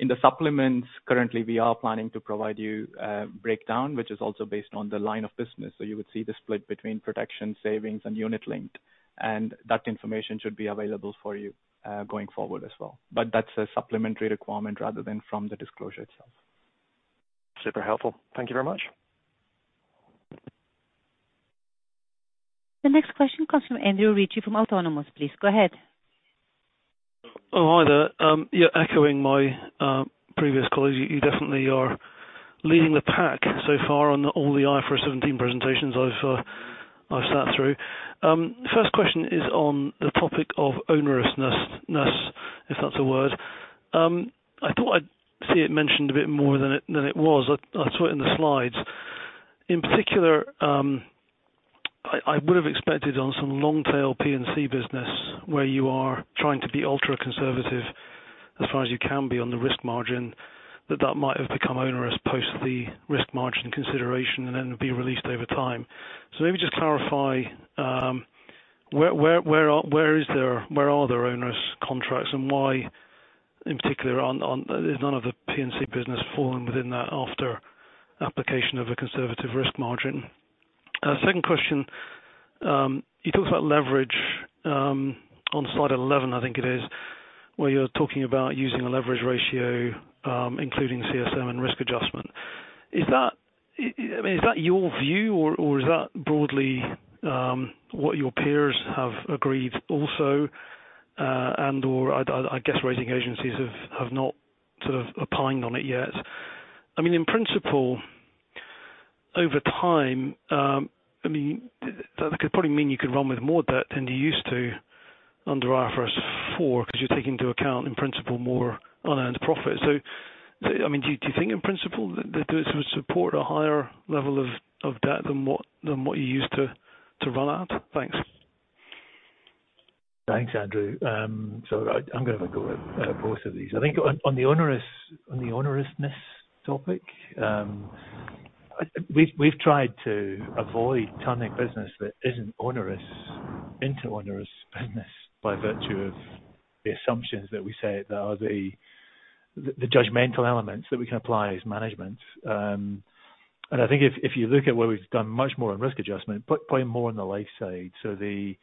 In the supplements, currently, we are planning to provide you a breakdown, which is also based on the line of business. You would see the split between protection, savings and unit-linked. That information should be available for you, going forward as well. That's a supplementary requirement rather than from the disclosure itself. Super helpful. Thank you very much. The next question comes from Andrew Ritchie from Autonomous. Please go ahead. Oh, hi there. Yeah, echoing my previous colleagues, you definitely are leading the pack so far on all the IFRS 17 presentations I've sat through. First question is on the topic of onerousness-ness, if that's a word. I thought I'd see it mentioned a bit more than it was. I saw it in the slides. In particular, I would have expected on some long tail P&C business where you are trying to be ultra-conservative as far as you can be on the risk margin, that might have become onerous post the risk margin consideration and then be released over time. Maybe just clarify where are there onerous contracts and why, in particular on. Is none of the P&C business falling within that after application of a conservative risk margin? Second question. You talked about leverage on slide 11, I think it is, where you're talking about using a leverage ratio, including CSM and risk adjustment. Is that, I mean, is that your view or is that broadly what your peers have agreed also, and or I'd I guess rating agencies have not sort of opined on it yet. I mean, in principle, over time, I mean, that could probably mean you could run with more debt than you used to under IFRS 4 because you're taking into account in principle more unearned profits. I mean, do you think in principle that those would support a higher level of of debt than what you used to to roll out? Thanks. Thanks, Andrew. I'm gonna have a go at both of these. I think on the onerousness topic, we've tried to avoid turning business that isn't onerous into onerous business by virtue of the assumptions that we set that are the judgmental elements that we can apply as management. I think if you look at where we've done much more on risk adjustment, put probably more on the life side. I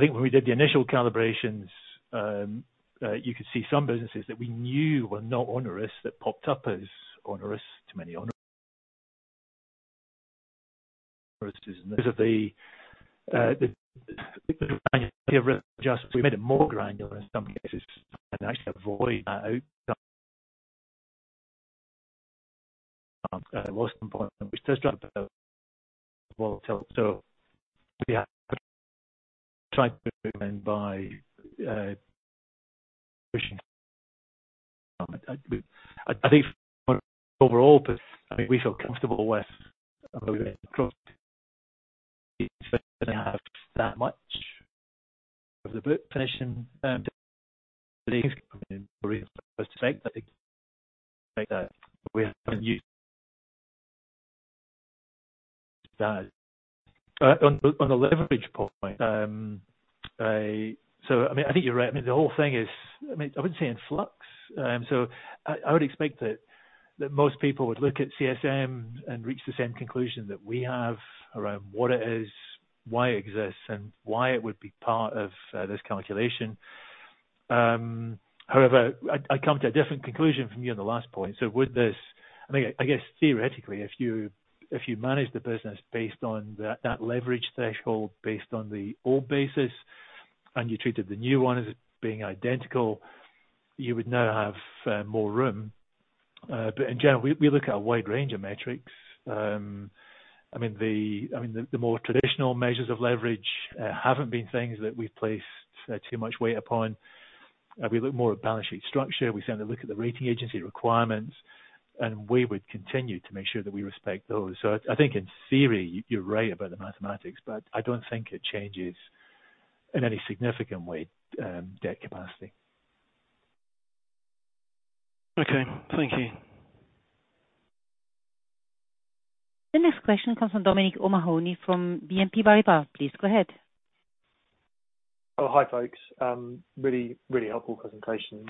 think when we did the initial calibrations, you could see some businesses that we knew were not onerous that popped up as onerous. To me, onerous is the granularity of risk adjustment. We made it more granular in some cases and actually avoid that outcome. Lost some point, which does drive volatile. We have to try to move in by pushing. I think overall, I mean, we feel comfortable with where we are across. I have that much of the book finishing. I think on the leverage point. I mean, I think you're right. I mean, the whole thing is, I mean, I wouldn't say in flux. I would expect that most people would look at CSM and reach the same conclusion that we have around what it is, why it exists, and why it would be part of this calculation. However, I come to a different conclusion from you on the last point. Would this... I mean, I guess theoretically, if you manage the business based on that leverage threshold based on the old basis, and you treated the new one as being identical, you would now have more room. In general, we look at a wide range of metrics. I mean, the more traditional measures of leverage haven't been things that we've placed too much weight upon. We look more at balance sheet structure. We certainly look at the rating agency requirements, and we would continue to make sure that we respect those. I think in theory, you're right about the mathematics, but I don't think it changes in any significant way, debt capacity. Okay. Thank you. The next question comes from Dominic O'Mahony from BNP Paribas. Please go ahead. Oh, hi, folks. Really helpful presentation.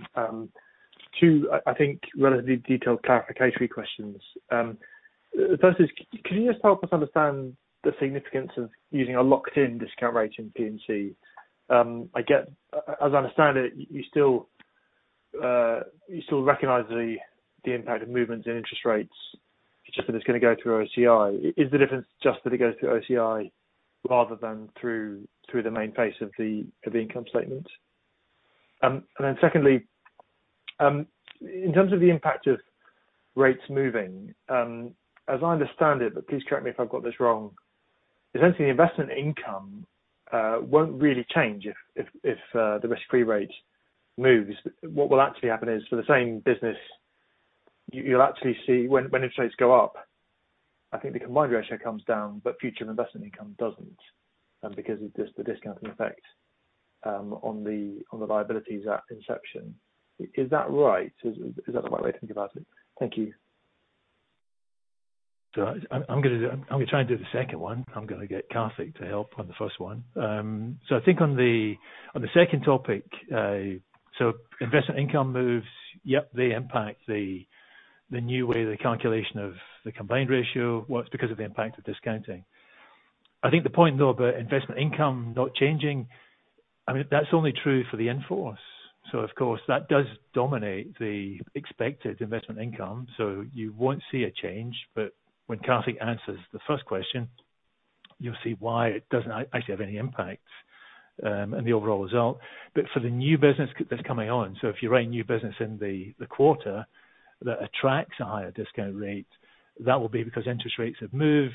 Two, I think relatively detailed clarification questions. First is can you just help us understand the significance of using a locked-in discount rate in P&C? I get. As I understand it, you still recognize the impact of movements in interest rates. It's just that it's gonna go through OCI. Is the difference just that it goes through OCI rather than through the main face of the income statement? And then secondly, in terms of the impact of rates moving, as I understand it, but please correct me if I've got this wrong. Essentially, investment income won't really change if the risk-free rate moves. What will actually happen is, for the same business, you'll actually see when interest rates go up, I think the combined ratio comes down, but future investment income doesn't, because of just the discounting effect, on the liabilities at inception. Is that right? Is that the right way to think about it? Thank you. I'm gonna try and do the second one. I'm gonna get Karthik to help on the first one. I think on the second topic, investment income moves. Yep, they impact the new way the calculation of the combined ratio works because of the impact of discounting. I think the point, though, about investment income not changing. I mean, that's only true for the in-force. Of course, that does dominate the expected investment income, so you won't see a change. But when Karthik answers the first question, you'll see why it doesn't actually have any impact on the overall result. But for the new business that's coming on, if you write new business in the quarter that attracts a higher discount rate, that will be because interest rates have moved.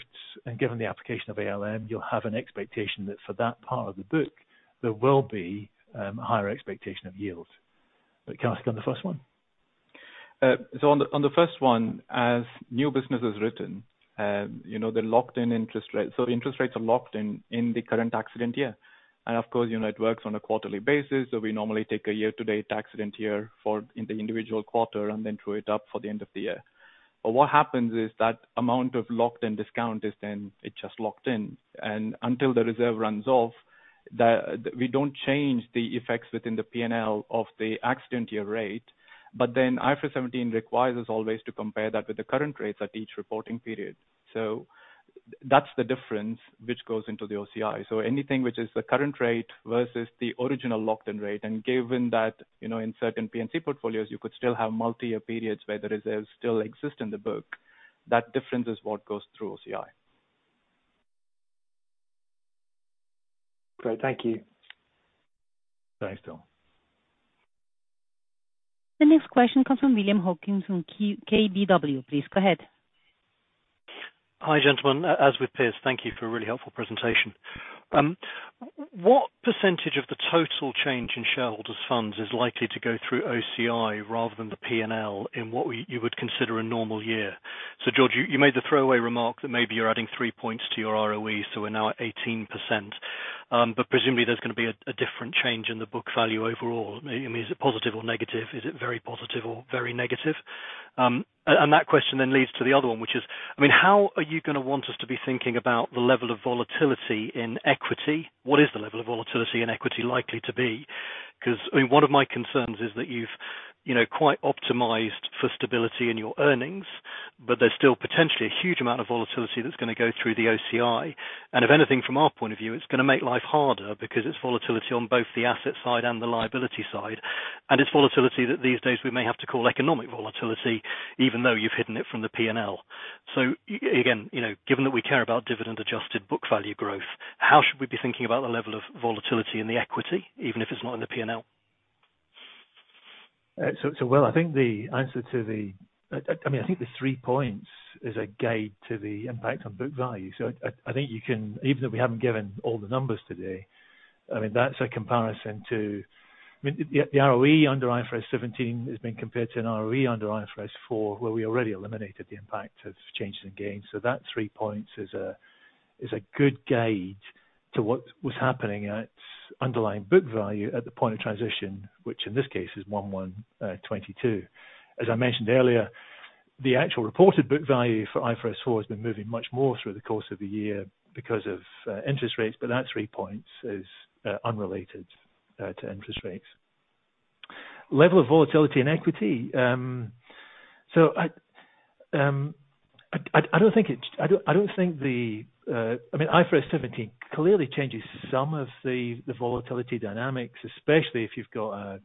Given the application of ALM, you'll have an expectation that for that part of the book, there will be higher expectation of yield. Karthik, on the first one. On the first one, as new business is written, you know, the locked-in interest rates. Interest rates are locked in in the current accident year. Of course, you know, it works on a quarterly basis. We normally take a year-to-date accident year for in the individual quarter and then true it up for the end of the year. What happens is that amount of locked-in discount is then, it's just locked in. Until the reserve runs off, we don't change the effects within the P&L of the accident year rate. IFRS 17 requires us always to compare that with the current rates at each reporting period. That's the difference which goes into the OCI. Anything which is the current rate versus the original locked-in rate, and given that, you know, in certain P&C portfolios you could still have multi-year periods where the reserves still exist in the book. That difference is what goes through OCI. Great. Thank you. Thanks, Dom. The next question comes from William Hawkins from KBW. Please go ahead. Hi, gentlemen. As with Piers, thank you for a really helpful presentation. What percentage of the total change in shareholders' funds is likely to go through OCI rather than the P&L in what you would consider a normal year? George, you made the throwaway remark that maybe you're adding three points to your ROE, so we're now at 18%. But presumably there's gonna be a different change in the book value overall. I mean, is it positive or negative? Is it very positive or very negative? And that question then leads to the other one, which is, I mean, how are you gonna want us to be thinking about the level of volatility in equity? What is the level of volatility in equity likely to be? 'Cause I mean, one of my concerns is that you've, you know, quite optimized for stability in your earnings, but there's still potentially a huge amount of volatility that's gonna go through the OCI. If anything, from our point of view, it's gonna make life harder because it's volatility on both the asset side and the liability side. It's volatility that these days we may have to call economic volatility, even though you've hidden it from the P&L. Again, you know, given that we care about dividend adjusted book value growth, how should we be thinking about the level of volatility in the equity, even if it's not in the P&L? I mean, I think the three points is a gauge to the impact on book value. I think you can. Even though we haven't given all the numbers today, I mean, that's a comparison to the ROE under IFRS 17 has been compared to an ROE under IFRS 4, where we already eliminated the impact of changes in gains. That three points is a good gauge to what was happening at underlying book value at the point of transition, which in this case is 1/1/2022. As I mentioned earlier, the actual reported book value for IFRS 4 has been moving much more through the course of the year because of interest rates, but that three points is unrelated to interest rates. Level of volatility and equity. So I don't think the I mean, IFRS 17 clearly changes some of the volatility dynamics, especially if you've got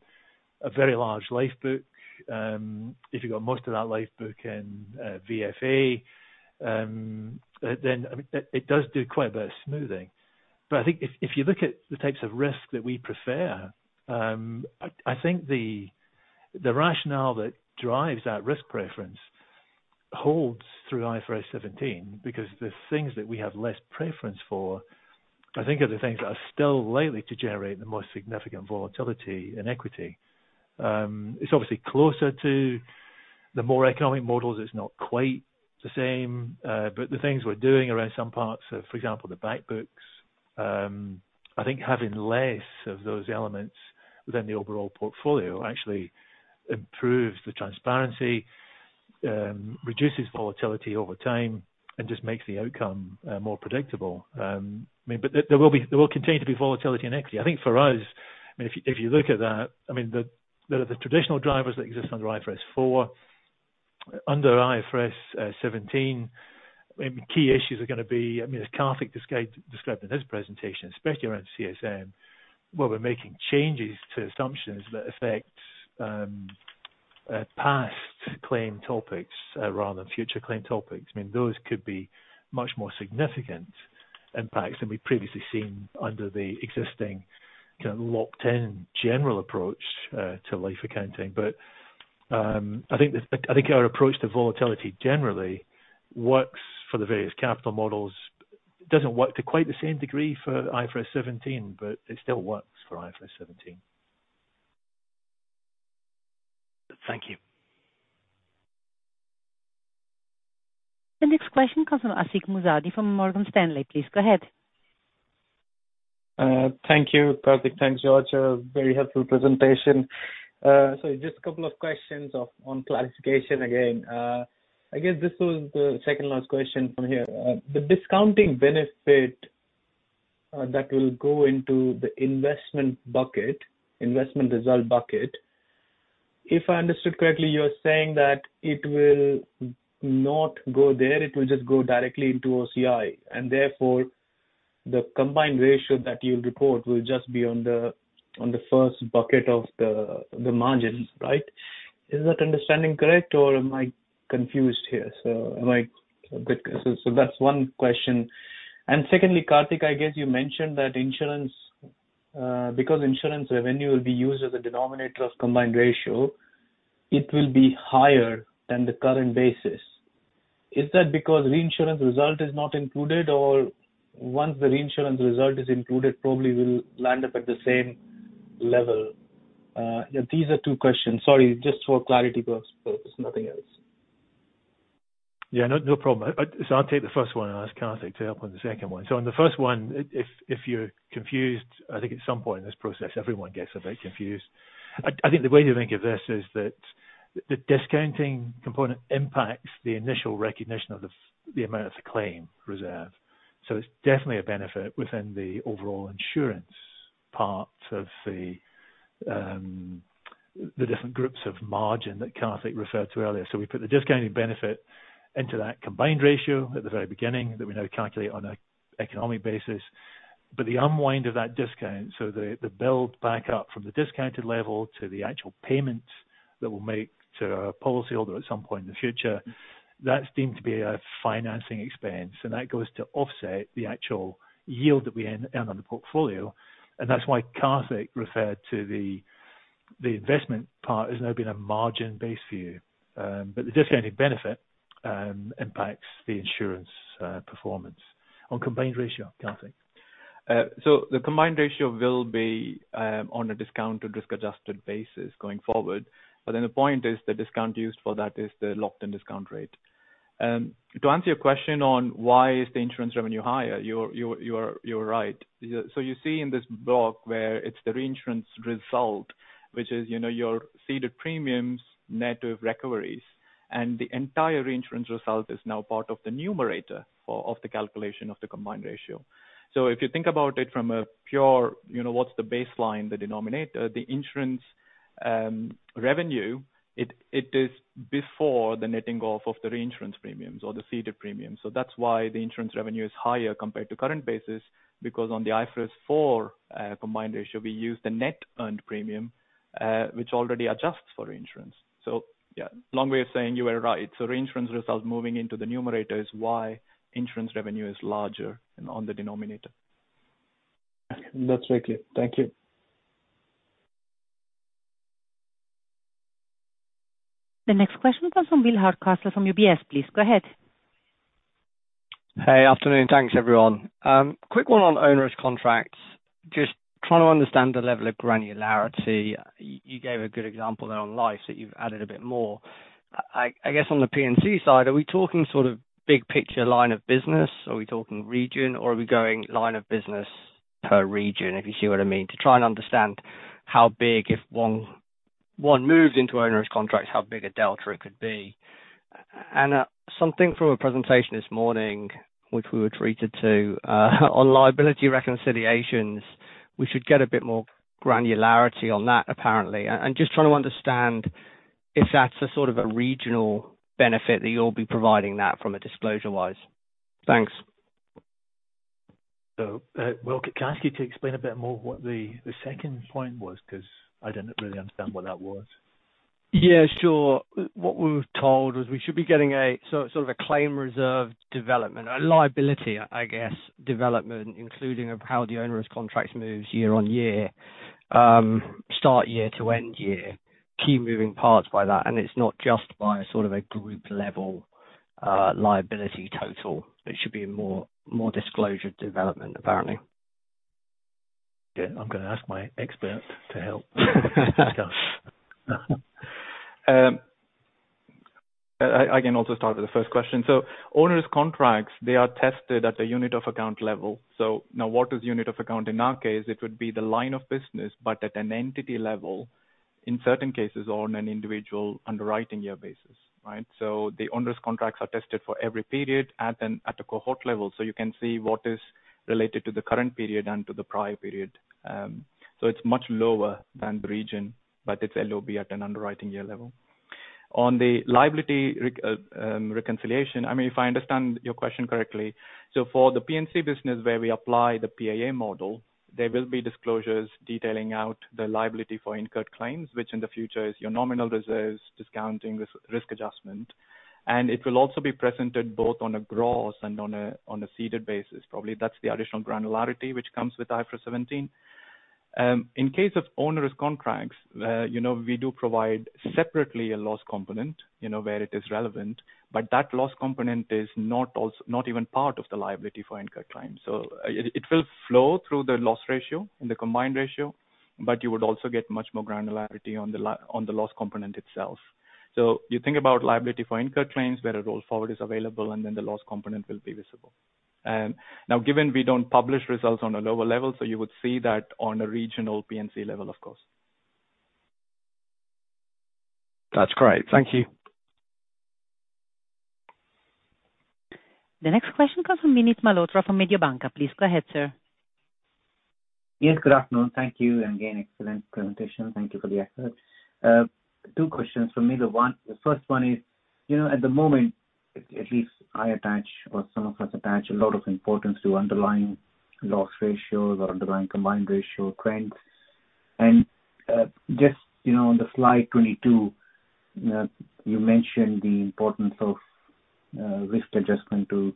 a very large life book. If you've got most of that life book in VFA, then I mean, it does do quite a bit of smoothing. I think if you look at the types of risks that we prefer, I think the rationale that drives that risk preference holds through IFRS 17 because the things that we have less preference for, I think are the things that are still likely to generate the most significant volatility in equity. It's obviously closer to the more economic models, it's not quite the same. The things we're doing around some parts of, for example, the back books, I think having less of those elements within the overall portfolio actually improves the transparency, reduces volatility over time and just makes the outcome more predictable. I mean, there will continue to be volatility in equity. I think for us, I mean, if you look at that, I mean, the traditional drivers that exist under IFRS 4, under IFRS 17, I mean, key issues are gonna be, I mean, as Karthik described in his presentation, especially around CSM, where we're making changes to assumptions that affect past claim topics rather than future claim topics. I mean, those could be much more significant impacts than we've previously seen under the existing kind of locked in general approach to life accounting. I think our approach to volatility generally works for the various capital models. It doesn't work to quite the same degree for IFRS 17, but it still works for IFRS 17. Thank you. The next question comes from Ashik Musaddi from Morgan Stanley. Please go ahead. Thank you. Perfect. Thanks, George. A very helpful presentation. So just a couple of questions on classification again. I guess this was the second last question from here. The discounting benefit that will go into the investment bucket, investment result bucket. If I understood correctly, you're saying that it will not go there, it will just go directly into OCI, and therefore the combined ratio that you'll report will just be on the first bucket of the margins, right? Is that understanding correct, or am I confused here? That's one question. And secondly, Karthik, I guess you mentioned that because insurance revenue will be used as a denominator of combined ratio, it will be higher than the current basis. Is that because reinsurance result is not included or once the reinsurance result is included, probably will land up at the same level? These are two questions. Sorry, just for clarity purpose. Nothing else. Yeah. No problem. I'll take the first one and ask Karthik to help on the second one. On the first one, if you're confused, I think at some point in this process, everyone gets a bit confused. I think the way to think of this is that the discounting component impacts the initial recognition of the amount of the claim reserve. It's definitely a benefit within the overall insurance part of the different groups of margin that Karthik referred to earlier. We put the discounting benefit into that combined ratio at the very beginning that we now calculate on an economic basis. The unwind of that discount, so the build back up from the discounted level to the actual payment that we'll make to our policyholder at some point in the future, that's deemed to be a financing expense. That goes to offset the actual yield that we earn on the portfolio, and that's why Karthik referred to the investment part as now being a margin-based view. The discounting benefit impacts the insurance performance. On combined ratio, Karthik. The combined ratio will be on a discounted risk-adjusted basis going forward. The point is the discount used for that is the locked-in discount rate. To answer your question on why is the insurance revenue higher, you're right. You see in this block where it's the reinsurance result, which is, you know, your ceded premiums net of recoveries, and the entire reinsurance result is now part of the numerator of the calculation of the combined ratio. If you think about it from a pure, you know, what's the baseline, the denominator, the insurance revenue, it is before the netting off of the reinsurance premiums or the ceded premiums. That's why the insurance revenue is higher compared to current basis, because on the IFRS 4 combined ratio, we use the net earned premium, which already adjusts for reinsurance. Yeah, long way of saying you were right. Reinsurance results moving into the numerator is why insurance revenue is larger and on the denominator. That's very clear. Thank you. The next question comes from Will Hardcastle from UBS, please go ahead. Hey. Afternoon. Thanks, everyone. Quick one on onerous contracts. Just trying to understand the level of granularity. You gave a good example there on life that you've added a bit more. I guess on the P&C side, are we talking sort of big picture line of business? Are we talking region or are we going line of business per region? If you see what I mean, to try and understand how big, if one moves into onerous contracts, how big a delta it could be. Something from a presentation this morning, which we were treated to, on liability reconciliations, we should get a bit more granularity on that apparently. Just trying to understand if that's a sort of a regional benefit that you'll be providing that from a disclosure-wise. Thanks. Will, can I ask you to explain a bit more what the second point was, 'cause I didn't really understand what that was. Yeah, sure. What we were told was we should be getting a sort of a claim reserve development, a liability, I guess, development including how the onerous contracts move year on year. Start year to end year, key moving parts behind that, and it's not just at sort of a group level, liability total. It should be more disclosure development, apparently. Yeah. I'm gonna ask my expert to help discuss. I can also start with the first question. Onerous contracts, they are tested at a unit of account level. Now what is unit of account? In our case, it would be the line of business, but at an entity level, in certain cases, or on an individual underwriting year basis, right? The onerous contracts are tested for every period at a cohort level, so you can see what is related to the current period and to the prior period. It's much lower than the region, but it's LOB at an underwriting year level. On the liability reconciliation, I mean, if I understand your question correctly, for the P&C business where we apply the PAA model, there will be disclosures detailing out the liability for incurred claims, which in the future is your nominal reserves discounting this risk adjustment. It will also be presented both on a gross and on a ceded basis, probably that's the additional granularity which comes with IFRS 17. In case of onerous contracts, you know, we do provide separately a loss component, you know, where it is relevant, but that loss component is not even part of the liability for incurred claims. It will flow through the loss ratio and the combined ratio, but you would also get much more granularity on the loss component itself. You think about liability for incurred claims where a roll forward is available, and then the loss component will be visible. Now, given we don't publish results on a lower level, so you would see that on a regional P&C level, of course. That's great. Thank you. The next question comes from Vinit Malhotra from Mediobanca. Please go ahead, sir. Yes, good afternoon. Thank you, and again, excellent presentation. Thank you for the effort. Two questions from me. The first one is, you know, at the moment, at least I attach or some of us attach a lot of importance to underlying loss ratios or underlying combined ratio trends. Just, you know, on the slide 22, you mentioned the importance of risk adjustment to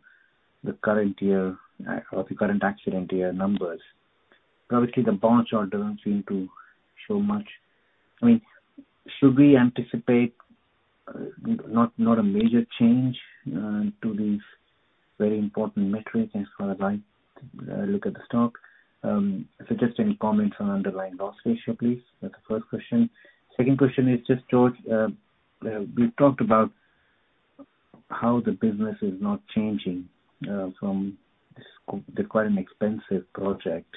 the current year or the current accident year numbers. Obviously, the breakout doesn't seem to show much. I mean, should we anticipate not a major change to these very important metrics as far as I look at the stock? So just any comments on underlying loss ratio, please. That's the first question. Second question is just, George, we've talked about how the business is not changing from this quite an expensive project.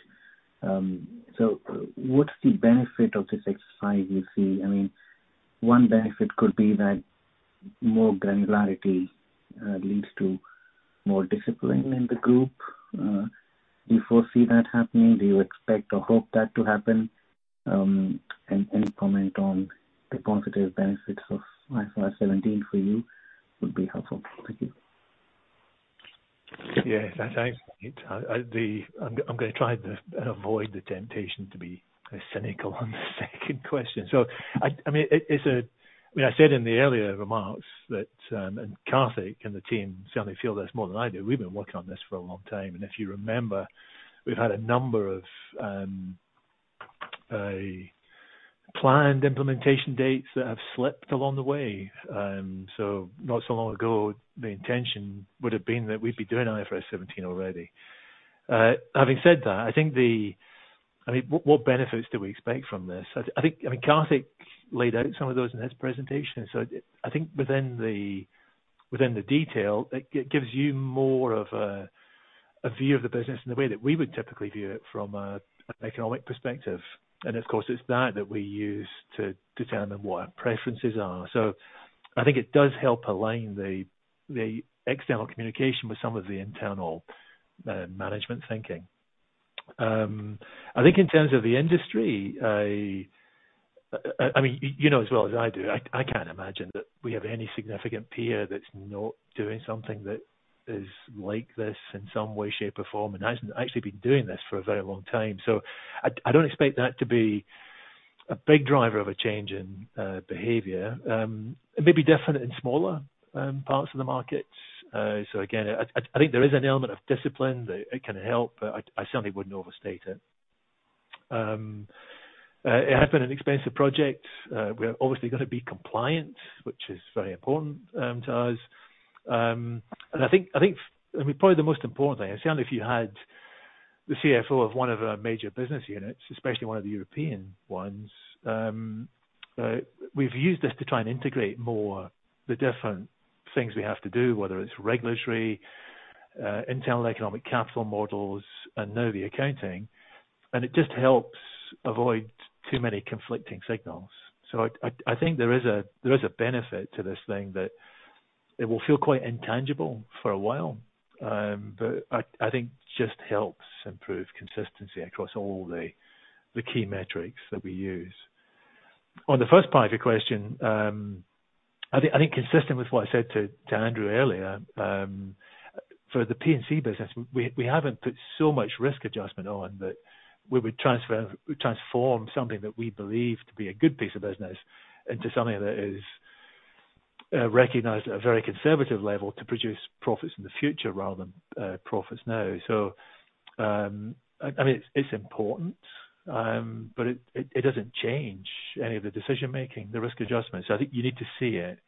What's the benefit of this exercise you see? I mean, one benefit could be that more granularity leads to more discipline in the group. Do you foresee that happening? Do you expect or hope that to happen? Any comment on the positive benefits of IFRS 17 for you would be helpful. Thank you. Yeah. I'm gonna try to avoid the temptation to be cynical on the second question. I mean, I said in the earlier remarks that and Karthik and the team certainly feel this more than I do. We've been working on this for a long time, and if you remember, we've had a number of planned implementation dates that have slipped along the way. Not so long ago, the intention would have been that we'd be doing IFRS 17 already. Having said that, I think I mean, what benefits do we expect from this? I think I mean, Karthik laid out some of those in his presentation. I think within the detail, it gives you more of a view of the business in the way that we would typically view it from an economic perspective. Of course it's that we use to determine what our preferences are. I think it does help align the external communication with some of the internal management thinking. I think in terms of the industry, I mean, you know as well as I do, I can't imagine that we have any significant peer that's not doing something that is like this in some way, shape, or form, and has actually been doing this for a very long time. I don't expect that to be a big driver of a change in behavior. It may be different in smaller parts of the markets. Again, I think there is an element of discipline that it can help, but I certainly wouldn't overstate it. It has been an expensive project. We are obviously gonna be compliant, which is very important to us. I think, and probably the most important thing, I was telling a few heads, the CFO of one of our major business units, especially one of the European ones. We've used this to try and integrate more the different things we have to do, whether it's regulatory, internal economic capital models, and now the accounting. It just helps avoid too many conflicting signals. I think there is a benefit to this thing that it will feel quite intangible for a while. I think just helps improve consistency across all the key metrics that we use. On the first part of your question, I think consistent with what I said to Andrew earlier, for the P&C business, we haven't put so much risk adjustment on, but we would transform something that we believe to be a good piece of business into something that is recognized at a very conservative level to produce profits in the future rather than profits now. I mean, it's important, but it doesn't change any of the decision-making, the risk adjustments. I think you need to see it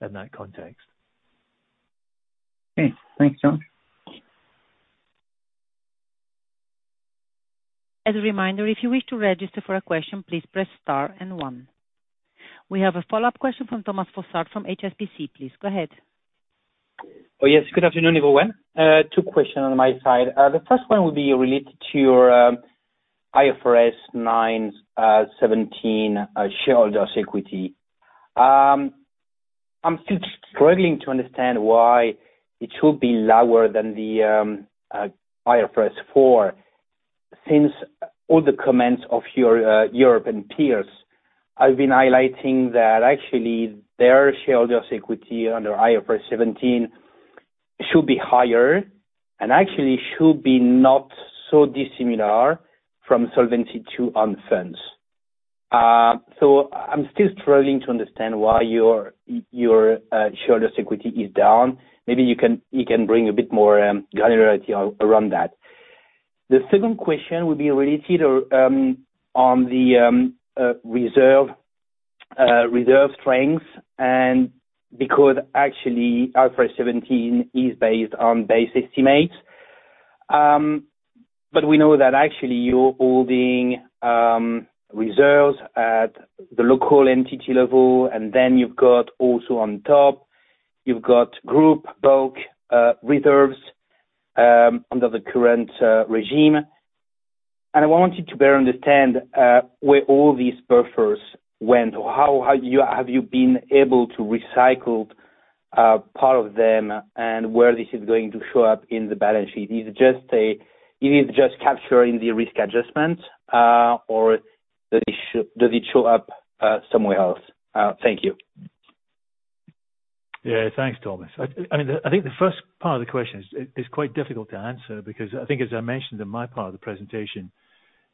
in that context. Okay. Thanks, George. As a reminder, if you wish to register for a question, please press star and one. We have a follow-up question from Thomas Fossard from HSBC, please go ahead. Oh, yes. Good afternoon, everyone. Two questions on my side. The first one will be related to your IFRS 9, 17 shareholders' equity. I'm still struggling to understand why it should be lower than the IFRS 4, since all the comments of your European peers have been highlighting that actually their shareholders' equity under IFRS 17 should be higher and actually should be not so dissimilar from Solvency II own funds. So I'm still struggling to understand why your shareholders' equity is down. Maybe you can bring a bit more granularity around that. The second question would be related to the reserve strengths, and because actually IFRS 17 is based on best estimates. We know that actually you're holding reserves at the local entity level, and then you've got also on top, you've got group bulk reserves under the current regime. I want you to better understand where all these buffers went or how you have been able to recycle part of them and where this is going to show up in the balance sheet. Is it just capturing the risk adjustments, or does it show up somewhere else? Thank you. Yeah. Thanks, Thomas. I mean, I think the first part of the question is quite difficult to answer because I think as I mentioned in my part of the presentation,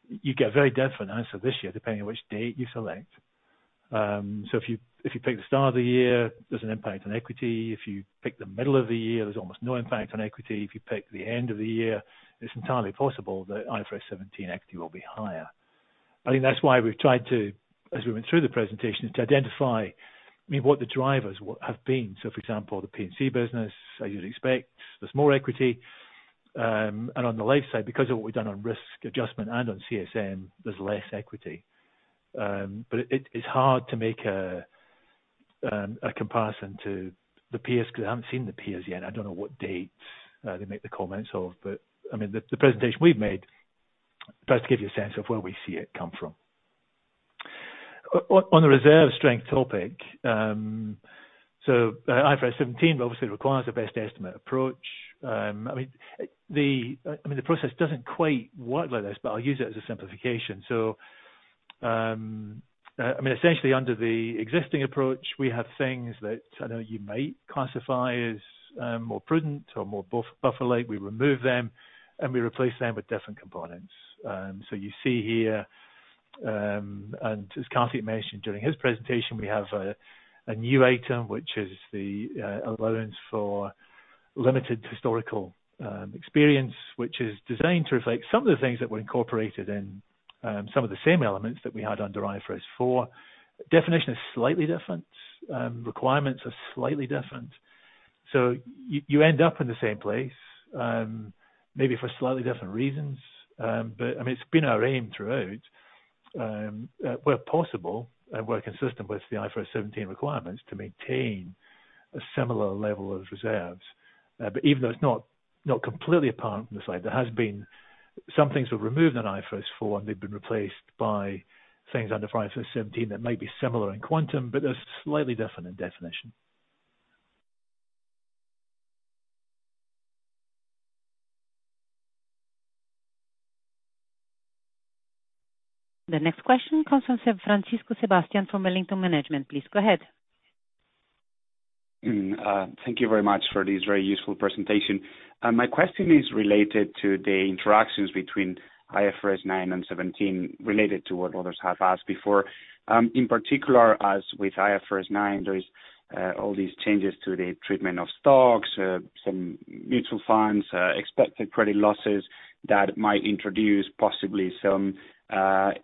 you get very different answers this year, depending on which date you select. If you pick the start of the year, there's an impact on equity. If you pick the middle of the year, there's almost no impact on equity. If you pick the end of the year, it's entirely possible the IFRS 17 equity will be higher. I think that's why we've tried to, as we went through the presentation, to identify, I mean, what the drivers have been. For example, the P&C business, as you'd expect, there's more equity. And on the life side, because of what we've done on risk adjustment and on CSM, there's less equity. It's hard to make a comparison to the peers because I haven't seen the peers yet. I don't know what dates they make the comments of. I mean, the presentation we've made tries to give you a sense of where we see it come from. On the reserve strength topic, IFRS 17 obviously requires a best estimate approach. I mean, the process doesn't quite work like this, but I'll use it as a simplification. I mean, essentially under the existing approach, we have things that I know you might classify as more prudent or more buffer like. We remove them, and we replace them with different components. You see here, and as Karthik mentioned during his presentation, we have a new item, which is the allowance for limited historical experience, which is designed to reflect some of the things that were incorporated in some of the same elements that we had under IFRS 4. Definition is slightly different. Requirements are slightly different. You end up in the same place, maybe for slightly different reasons. But I mean, it's been our aim throughout, where possible and where consistent with the IFRS 17 requirements, to maintain a similar level of reserves. But even though it's not completely apart from the side, there has been some things were removed on IFRS 4 and they've been replaced by things under IFRS 17 that might be similar in quantum, but they're slightly different in definition. The next question comes from Francisco Sebastian from Wellington Management. Please go ahead. Thank you very much for this very useful presentation. My question is related to the interactions between IFRS 9 and 17 related to what others have asked before. In particular, as with IFRS 9, there is all these changes to the treatment of stocks, some mutual funds, expected credit losses that might introduce possibly some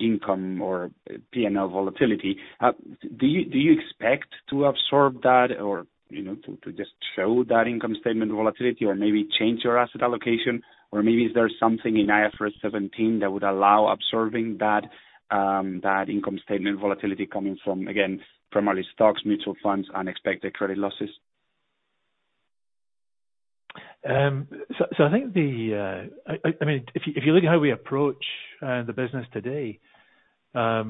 income or P&L volatility. Do you expect to absorb that or, you know, to just show that income statement volatility or maybe change your asset allocation? Or maybe is there something in IFRS 17 that would allow absorbing that income statement volatility coming from, again, primarily stocks, mutual funds, unexpected credit losses? I mean, if you look at how we approach the business today, I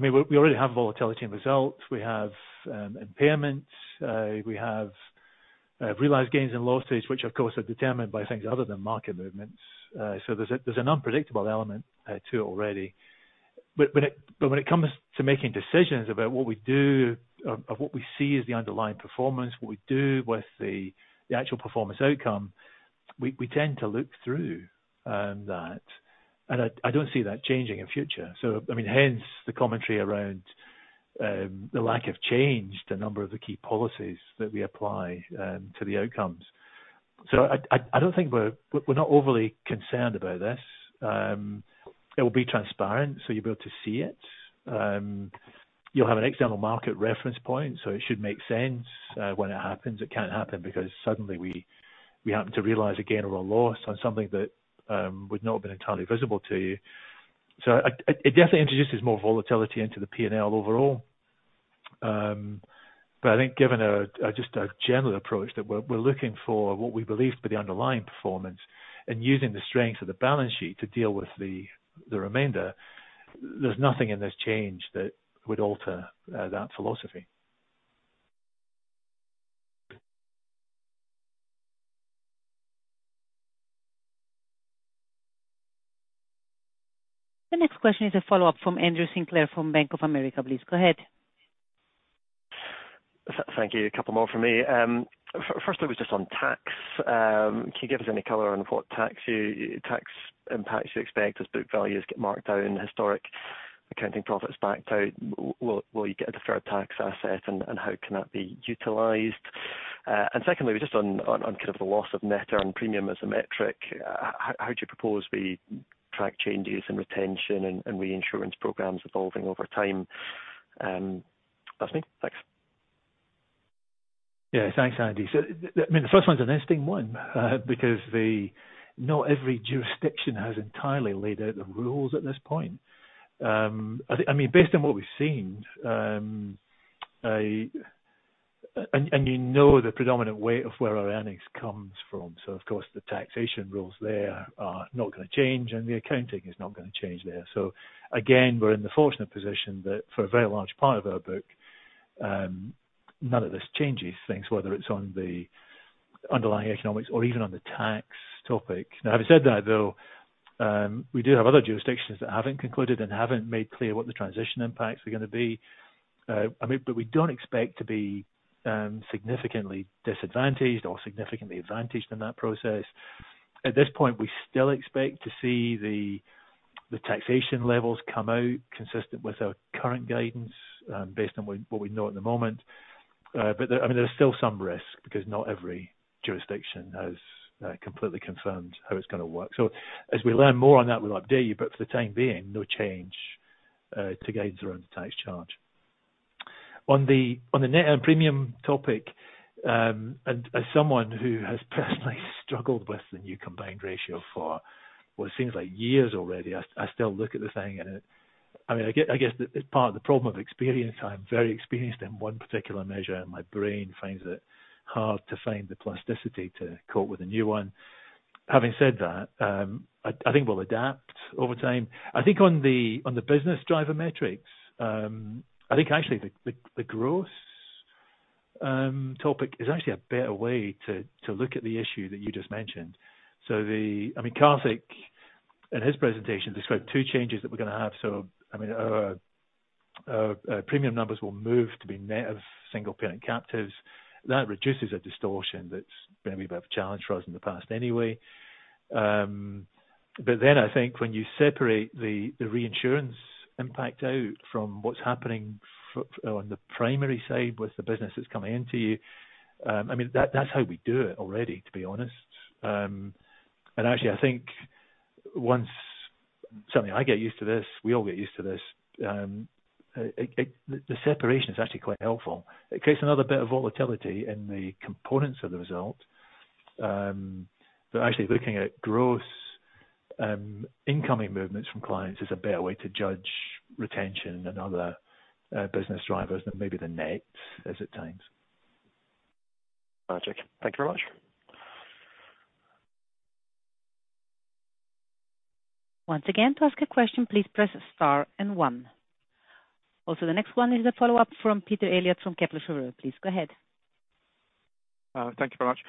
mean, we already have volatility in results. We have impairments. We have realized gains and losses, which of course are determined by things other than market movements. So there's an unpredictable element to it already. But when it comes to making decisions about what we do with what we see as the underlying performance, what we do with the actual performance outcome, we tend to look through that. I don't see that changing in future. I mean, hence the commentary around the lack of change to a number of the key policies that we apply to the outcomes. I don't think we're overly concerned about this. It will be transparent, so you'll be able to see it. You'll have an external market reference point, so it should make sense when it happens. It can't happen because suddenly we happen to realize a gain or a loss on something that would not have been entirely visible to you. It definitely introduces more volatility into the P&L overall. But I think given just a general approach that we're looking for what we believe to be the underlying performance and using the strength of the balance sheet to deal with the remainder, there's nothing in this change that would alter that philosophy. The next question is a follow-up from Andrew Sinclair from Bank of America. Please go ahead. Thank you. A couple more from me. First one was just on tax. Can you give us any color on what tax impacts you expect as book values get marked down, historic accounting profits backed out? Will you get a deferred tax asset and how can that be utilized? Secondly, just on kind of the loss of net written premium as a metric, how do you propose we track changes in retention and reinsurance programs evolving over time? That's me. Thanks. Yeah. Thanks, Andy. The first one's an interesting one, because not every jurisdiction has entirely laid out the rules at this point. Based on what we've seen, you know the predominant way of where our earnings comes from. Of course, the taxation rules there are not gonna change, and the accounting is not gonna change there. Again, we're in the fortunate position that for a very large part of our book, none of this changes things, whether it's on the underlying economics or even on the tax topic. Now, having said that though, we do have other jurisdictions that haven't concluded and haven't made clear what the transition impacts are gonna be. We don't expect to be significantly disadvantaged or significantly advantaged in that process. At this point, we still expect to see the taxation levels come out consistent with our current guidance, based on what we know at the moment. There's still some risk because not every jurisdiction has completely confirmed how it's gonna work. As we learn more on that, we'll update you. For the time being, no change to gains around the tax charge. On the net premium topic, and as someone who has personally struggled with the new combined ratio for what seems like years already, I still look at the thing and it. I mean, I get, I guess the part of the problem of experience, I'm very experienced in one particular measure, and my brain finds it hard to find the plasticity to cope with a new one. Having said that, I think we'll adapt over time. I think on the business driver metrics, I think actually the growth topic is actually a better way to look at the issue that you just mentioned. I mean, Karthik, in his presentation, described two changes that we're gonna have. I mean, our premium numbers will move to be net of single parent captives. That reduces a distortion that's been a bit of a challenge for us in the past anyway. Then I think when you separate the reinsurance impact out from what's happening on the primary side with the business that's coming into view, I mean, that's how we do it already, to be honest. Actually, I think once. Certainly I get used to this, we all get used to this. The separation is actually quite helpful. It creates another bit of volatility in the components of the result. But actually looking at gross incoming movements from clients is a better way to judge retention and other business drivers than maybe the net is at times. Gotcha. Thank you very much. Once again, to ask a question, please press star and one. Also, the next one is a follow-up from Peter Eliot from Kepler Cheuvreux. Please go ahead. Thank you very much.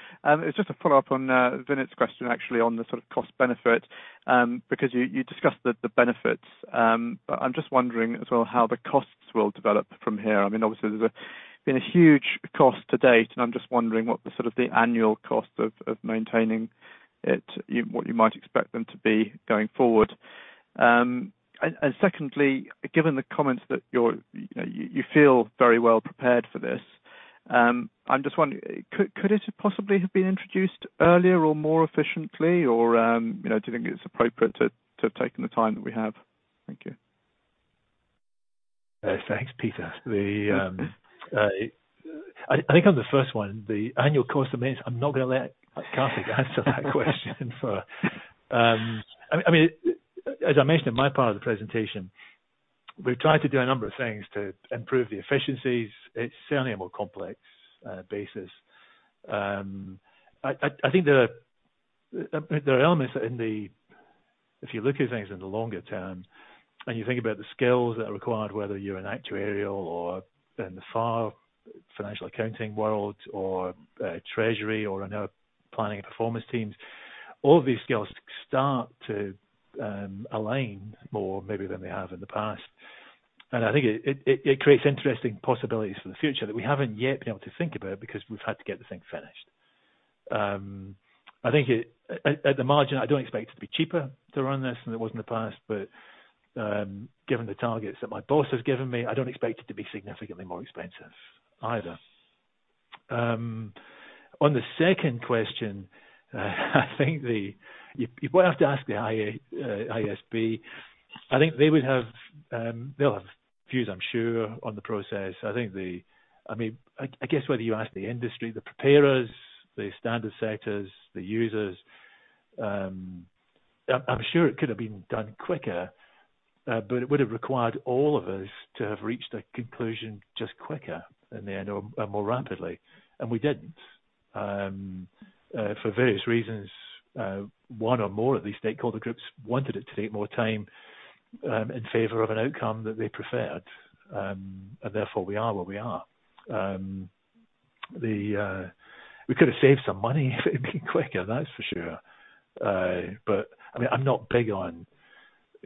It's just a follow-up on Nitin's question actually on the sort of cost benefit, because you discussed the benefits. I'm just wondering as well how the costs will develop from here. I mean, obviously there's been a huge cost to date, and I'm just wondering what the sort of annual cost of maintaining it, what you might expect them to be going forward. Secondly, given the comments that you feel very well prepared for this, I'm just wondering, could it possibly have been introduced earlier or more efficiently or, you know, do you think it's appropriate to have taken the time that we have? Thank you. Thanks, Peter. I think on the first one, the annual cost of maintenance, I'm not gonna let Karthik answer that question. I mean, as I mentioned in my part of the presentation, we've tried to do a number of things to improve the efficiencies. It's certainly a more complex basis. I think there are elements if you look at things in the longer term, and you think about the skills that are required, whether you're an actuary or in the FAR financial accounting world or treasury or in our planning and performance teams, all of these skills start to align more maybe than they have in the past. I think it creates interesting possibilities for the future that we haven't yet been able to think about because we've had to get the thing finished. I think, at the margin, I don't expect it to be cheaper to run this than it was in the past. Given the targets that my boss has given me, I don't expect it to be significantly more expensive either. On the second question, I think you might have to ask the IASB. I think they would have, they'll have views, I'm sure, on the process. I mean, I guess whether you ask the industry, the preparers, the standard setters, the users, I'm sure it could have been done quicker, but it would have required all of us to have reached a conclusion just quicker in the end and more rapidly. We didn't. For various reasons, one or more of the stakeholder groups wanted it to take more time in favor of an outcome that they preferred. Therefore we are where we are. We could have saved some money if it had been quicker, that's for sure. I mean, I'm not big on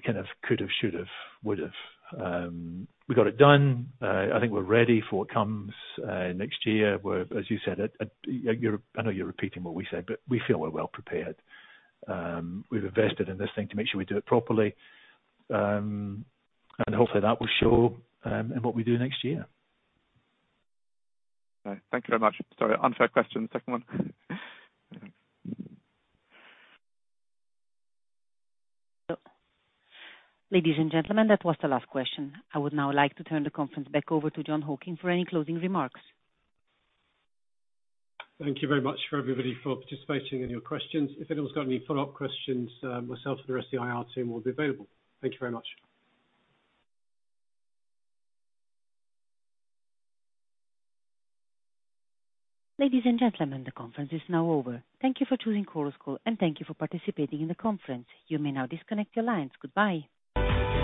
kind of could have, should have, would have. We got it done. I think we're ready for what comes next year, whereas, as you said, I know you're repeating what we said, but we feel we're well prepared. We've invested in this thing to make sure we do it properly. Hopefully that will show in what we do next year. All right. Thank you very much. Sorry, unfair question, the second one. Ladies and gentlemen, that was the last question. I would now like to turn the conference back over to Jon Hocking for any closing remarks. Thank you very much for everybody for participating and your questions. If anyone's got any follow-up questions, myself or the rest of the IR team will be available. Thank you very much. Ladies and gentlemen, the conference is now over. Thank you for choosing Chorus Call, and thank you for participating in the conference. You may now disconnect your lines. Goodbye.